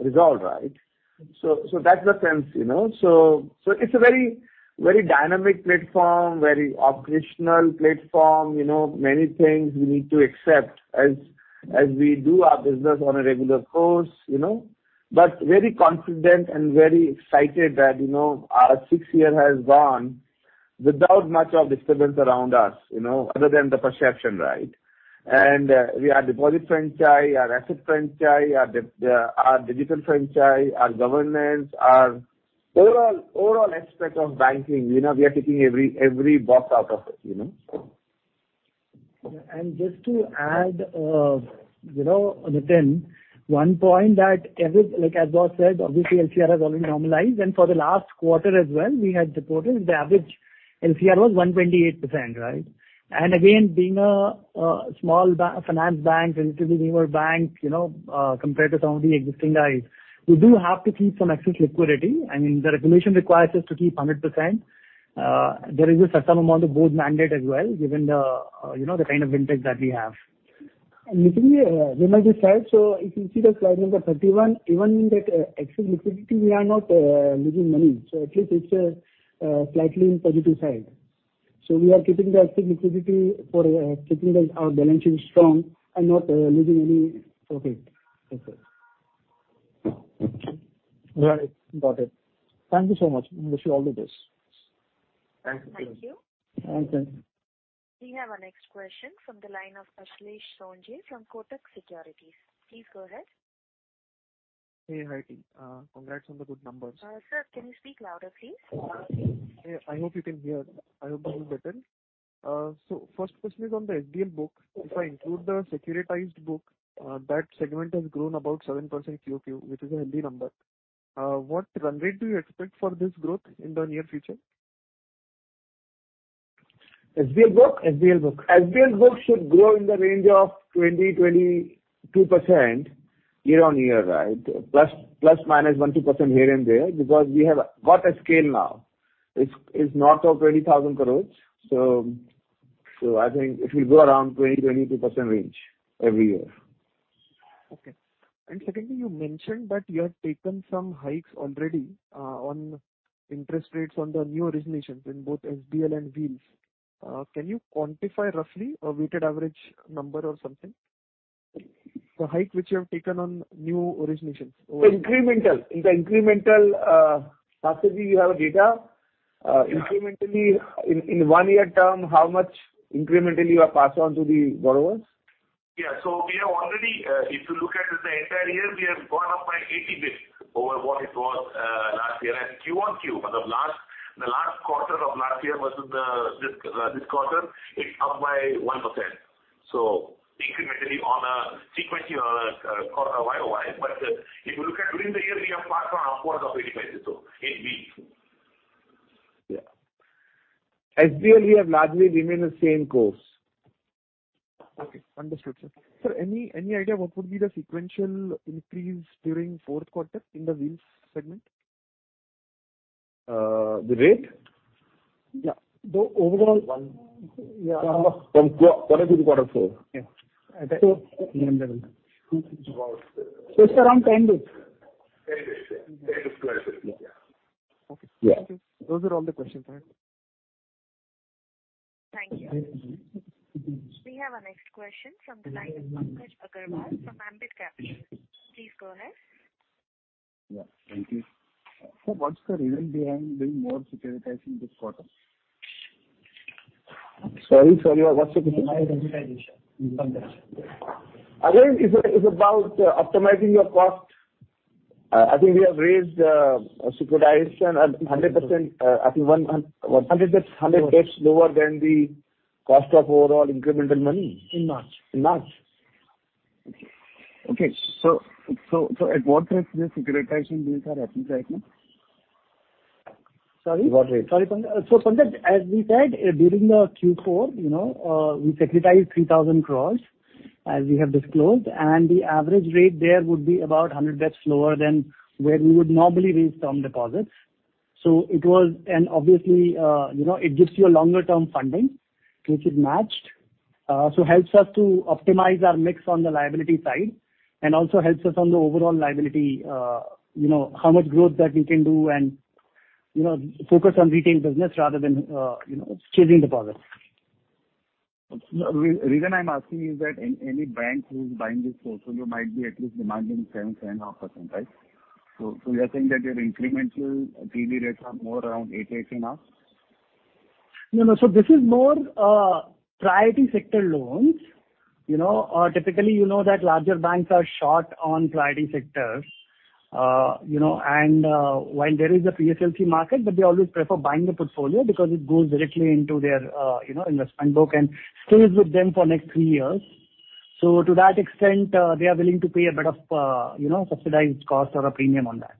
resolved, right. That's the sense, you know. It's a very, very dynamic platform, very operational platform. You know, many things we need to accept as we do our business on a regular course, you know. Very confident and very excited that, you know, our 6th year has gone without much of disturbance around us, you know, other than the perception, right. We are deposit franchise, our asset franchise, our digital franchise, our governance, our overall aspect of banking, you know, we are ticking every box out of it, you know. Just to add, you know, Nitin, one point that every, like, as boss said, obviously LCR has already normalized. For the last quarter as well, we had reported the average LCR was 128%, right? Again, being a small finance bank, relatively newer bank, you know, compared to some of the existing guys, we do have to keep some excess liquidity. I mean, the regulation requires us to keep 100%. There is a certain amount of board mandate as well, given the, you know, the kind of vintage that we have. Literally, we must decide. If you see the slide number 31, even in that excess liquidity, we are not losing money. At least it's slightly in positive side. We are keeping the active liquidity for keeping our balance sheet strong and not losing any profit. That's it. Right. Got it. Thank you so much. Wish you all the best. Thank you. Thank you. Thank you. We have our next question from the line of Aashlesh Kanani from Kotak Securities. Please go ahead. Hey. Hi, team. Congrats on the good numbers. sir, can you speak louder, please? Loudly. Yeah. I hope you can hear. I hope this is better. First question is on the SBL book. If I include the securitized book, that segment has grown about 7% QOQ, which is a healthy number. What run rate do you expect for this growth in the near future? SBL book? SBL book. SBL book should grow in the range of 20%-22% year-on-year, right? Plus minus 1%-2% here and there because we have got a scale now. It's north of 20,000 crores. I think it will grow around 20%-22% range every year. Okay. Secondly, you mentioned that you have taken some hikes already on interest rates on the new originations in both SBL and Wheels. Can you quantify roughly a weighted average number or something? The hike which you have taken on new originations over-. Incremental. In the incremental, possibly you have a data. Incrementally in one-year term, how much incrementally you have passed on to the borrowers? Yeah. We have already, if you look at the entire year, we have gone up by 80 bps over what it was, last year. Q on Q for the last, the last quarter of last year versus the, this quarter, it's up by 1%. Incrementally on a sequentially on a YOY. If you look at during the year, we have passed on upwards of 80 basis so, in Wheels. Yeah. SBL, we have largely remained the same course. Okay. Understood, sir. Sir, any idea what would be the sequential increase during fourth quarter in the Wheels segment? The rate? Yeah. One. From quarter to quarter four? Yeah. It's around 10 bps. 10 bps, yeah. 10-12 bps, yeah. Okay. Yeah. Thank you. Those are all the questions I had. Thank you. We have our next question from the line of Uttam Agarwal from Ambit Capital. Please go ahead. Yeah, thank you. Sir, what's the reason behind doing more securitizing this quarter? Sorry. What's the question? It's about optimizing your cost. I think we have raised securitization at 100%. 100 basis. 100 basis lower than the cost of overall incremental money. In March. In March. Okay. At what rate the securitization deals are happening right now? Sorry? What rate? Sorry, Pandit. Pandit, as we said, during the Q4, you know, we securitized 3,000 crores, as we have disclosed, and the average rate there would be about 100 basis lower than where we would normally raise term deposits. Obviously, you know, it gives you a longer term funding which is matched, so helps us to optimize our mix on the liability side and also helps us on the overall liability. You know, how much growth that we can do and, you know, focus on retail business rather than, you know, chasing deposits. Re-reason I'm asking is that any bank who is buying this portfolio might be at least demanding 7%, 7.5%, right? You are saying that your incremental TV rates are more around 8%, 8.5%? No, no. This is more priority sector loans. You know, typically, you know that larger banks are short on priority sectors. You know, while there is a PSLC market, they always prefer buying the portfolio because it goes directly into their, you know, investment book and stays with them for next three years. To that extent, they are willing to pay a bit of, you know, subsidized cost or a premium on that.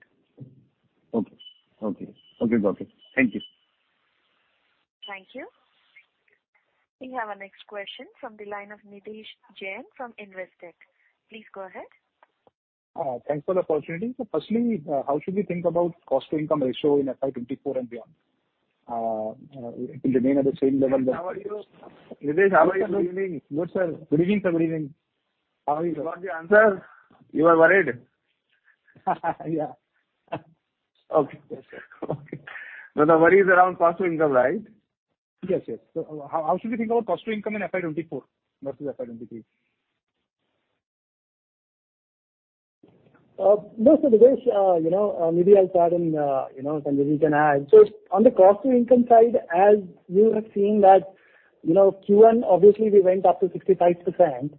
Okay. Okay. Okay, got it. Thank you. Thank you. We have our next question from the line of Nitesh Jain from Investec. Please go ahead. Thanks for the opportunity. Firstly, how should we think about cost to income ratio in FY 2024 and beyond? It will remain at the same level. How are you? Nitish, how are you doing? Good, sir. Good evening, sir. Good evening. How are you, sir? You got the answer? You are worried. Yeah. Okay. Now the worry is around cost to income, right? Yes, yes. How should we think about cost to income in FY 2024 versus FY 2023? Nitish, you know, maybe I'll start and, you know, Sanjay, you can add. On the cost to income side, as you have seen that, you know, Q1 obviously we went up to 65%,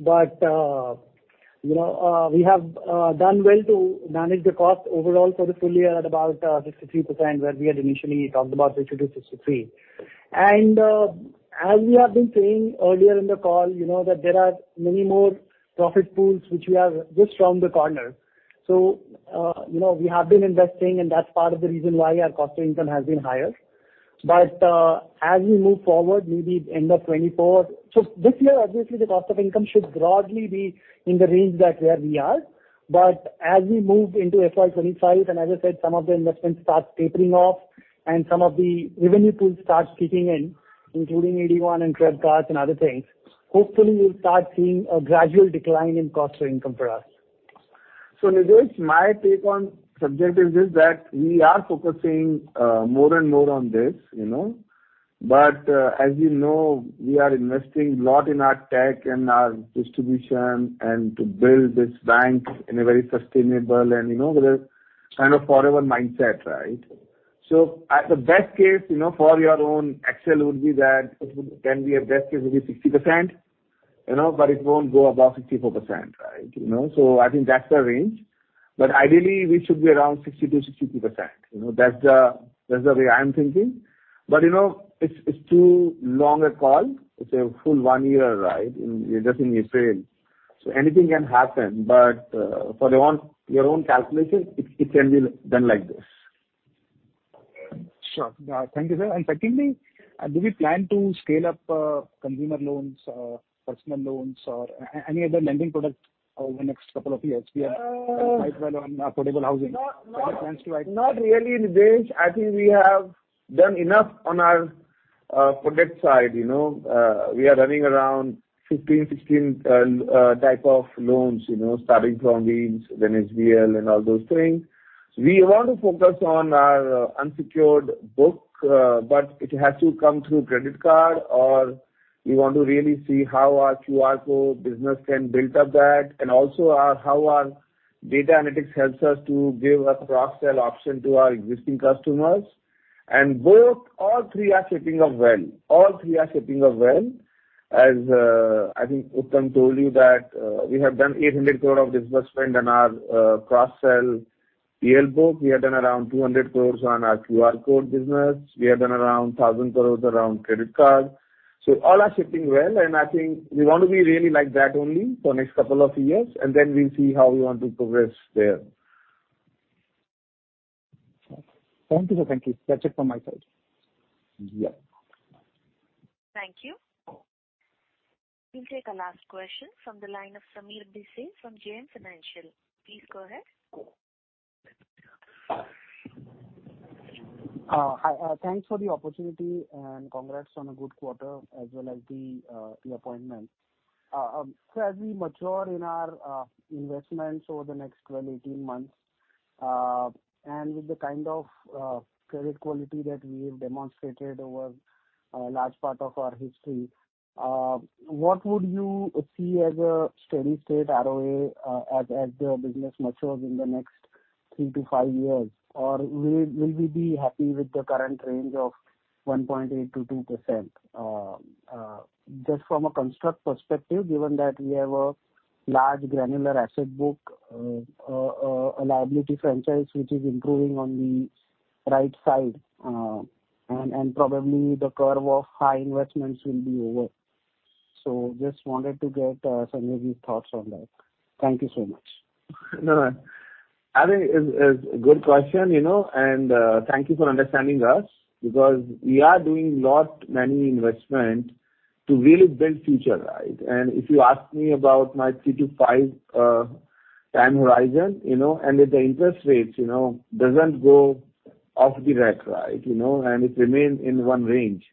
but, you know, we have done well to manage the cost overall for the full year at about 63%, where we had initially talked about 60%-63%. As we have been saying earlier in the call, you know that there are many more profit pools which we have just around the corner. You know, we have been investing and that's part of the reason why our cost to income has been higher. As we move forward maybe end of 2024... This year obviously the cost of income should broadly be in the range that where we are. But as we move into FY 25, and as I said, some of the investments start tapering off and some of the revenue pools start kicking in, including AD1 and credit cards and other things, hopefully we'll start seeing a gradual decline in cost to income for us. Nitish, my take on subject is that we are focusing more and more on this, you know. As you know, we are investing lot in our tech and our distribution and to build this bank in a very sustainable and, you know, with a kind of forever mindset, right? At the best case, you know, for your own Excel would be that it would, can be a best case would be 60%, you know, but it won't go above 64%, right? You know, I think that's the range. Ideally, we should be around 60%-62%. You know, that's the, that's the way I'm thinking. You know, it's too long a call. It's a full 1 year, right? You're just in April, so anything can happen. For your own calculation, it can be done like this. Sure. Thank you, sir. Secondly, do we plan to scale up, consumer loans, personal loans or any other lending product over the next 2 years? We are quite well on affordable housing. Any plans to Not really, Nitish. I think we have done enough on our product side, you know. We are running around 15, 16 type of loans, you know, starting from loans, then SVL and all those things. We want to focus on our unsecured book, but it has to come through credit card or we want to really see how our QR code business can build up that and also our, how our data analytics helps us to give a cross-sell option to our existing customers. Both, all three are shaping up well. As I think Uttam told you that we have done 800 crore of disbursement in our cross-sell VL book. We have done around 200 crore on our QR code business. We have done around 1,000 crore around credit card. All are shaping well, and I think we want to be really like that only for next couple of years, and then we'll see how we want to progress there. Thank you, sir. Thank you. That's it from my side. Yeah. Thank you. We'll take a last question from the line of Sameer B. Desai from JM Financial. Please go ahead. Hi, thanks for the opportunity and congrats on a good quarter as well as the appointment. As we mature in our investments over the next 12, 18 months, and with the kind of credit quality that we have demonstrated over a large part of our history, what would you see as a steady state ROA as the business matures in the next Three to five years or will we be happy with the current range of 1.8%-2%? Just from a construct perspective, given that we have a large granular asset book, a liability franchise which is improving on the right side, and probably the curve of high investments will be over. Just wanted to get Sanjay's thoughts on that. Thank you so much. No, no. I think it's a good question, you know, and thank you for understanding us because we are doing lot many investment to really build future, right? If you ask me about my three to five time horizon, you know, and if the interest rates, you know, doesn't go off the rack, right, you know, and it remains in one range.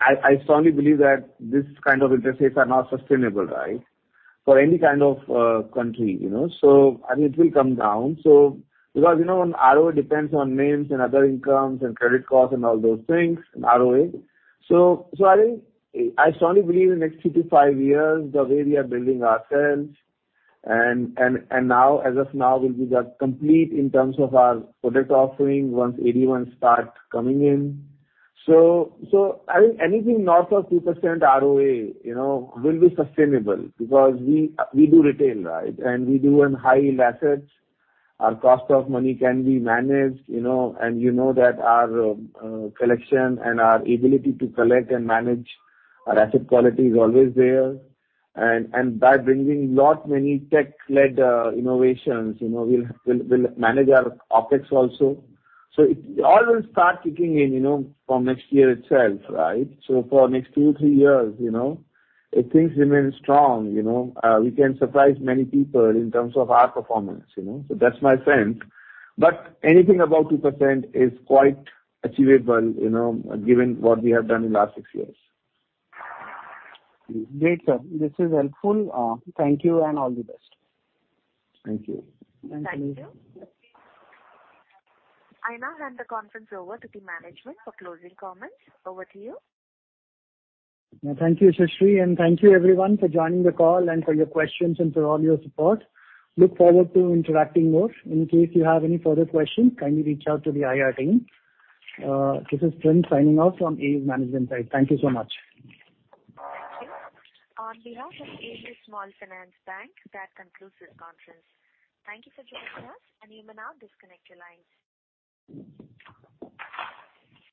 I strongly believe that this kind of interest rates are not sustainable, right? For any kind of country, you know. I think it will come down. Because, you know, ROA depends on mains and other incomes and credit costs and all those things and ROA. I think I strongly believe in next 3 to 5 years, the way we are building ourselves and now as of now we'll be just complete in terms of our product offering once AD1 starts coming in. I think anything north of 2% ROA, you know, will be sustainable because we do retail, right? We do in high yields assets. Our cost of money can be managed, you know, and you know that our collection and our ability to collect and manage our asset quality is always there. By bringing lot many tech-led innovations, you know, we'll manage our OpEx also. It all will start kicking in, you know, from next year itself, right? For next 2, 3 years, you know, if things remain strong, you know, we can surprise many people in terms of our performance, you know. That's my sense. Anything above 2% is quite achievable, you know, given what we have done in last 6 years. Great, sir. This is helpful. Thank you and all the best. Thank you. Thank you. I now hand the conference over to the management for closing comments. Over to you. Thank you, Sagar, and thank you everyone for joining the call and for your questions and for all your support. Look forward to interacting more. In case you have any further questions, kindly reach out to the IR team. This is Trent signing off from AU management side. Thank you so much. Thank you. On behalf of AU Small Finance Bank, that concludes this conference. Thank you for joining us, and you may now disconnect your lines.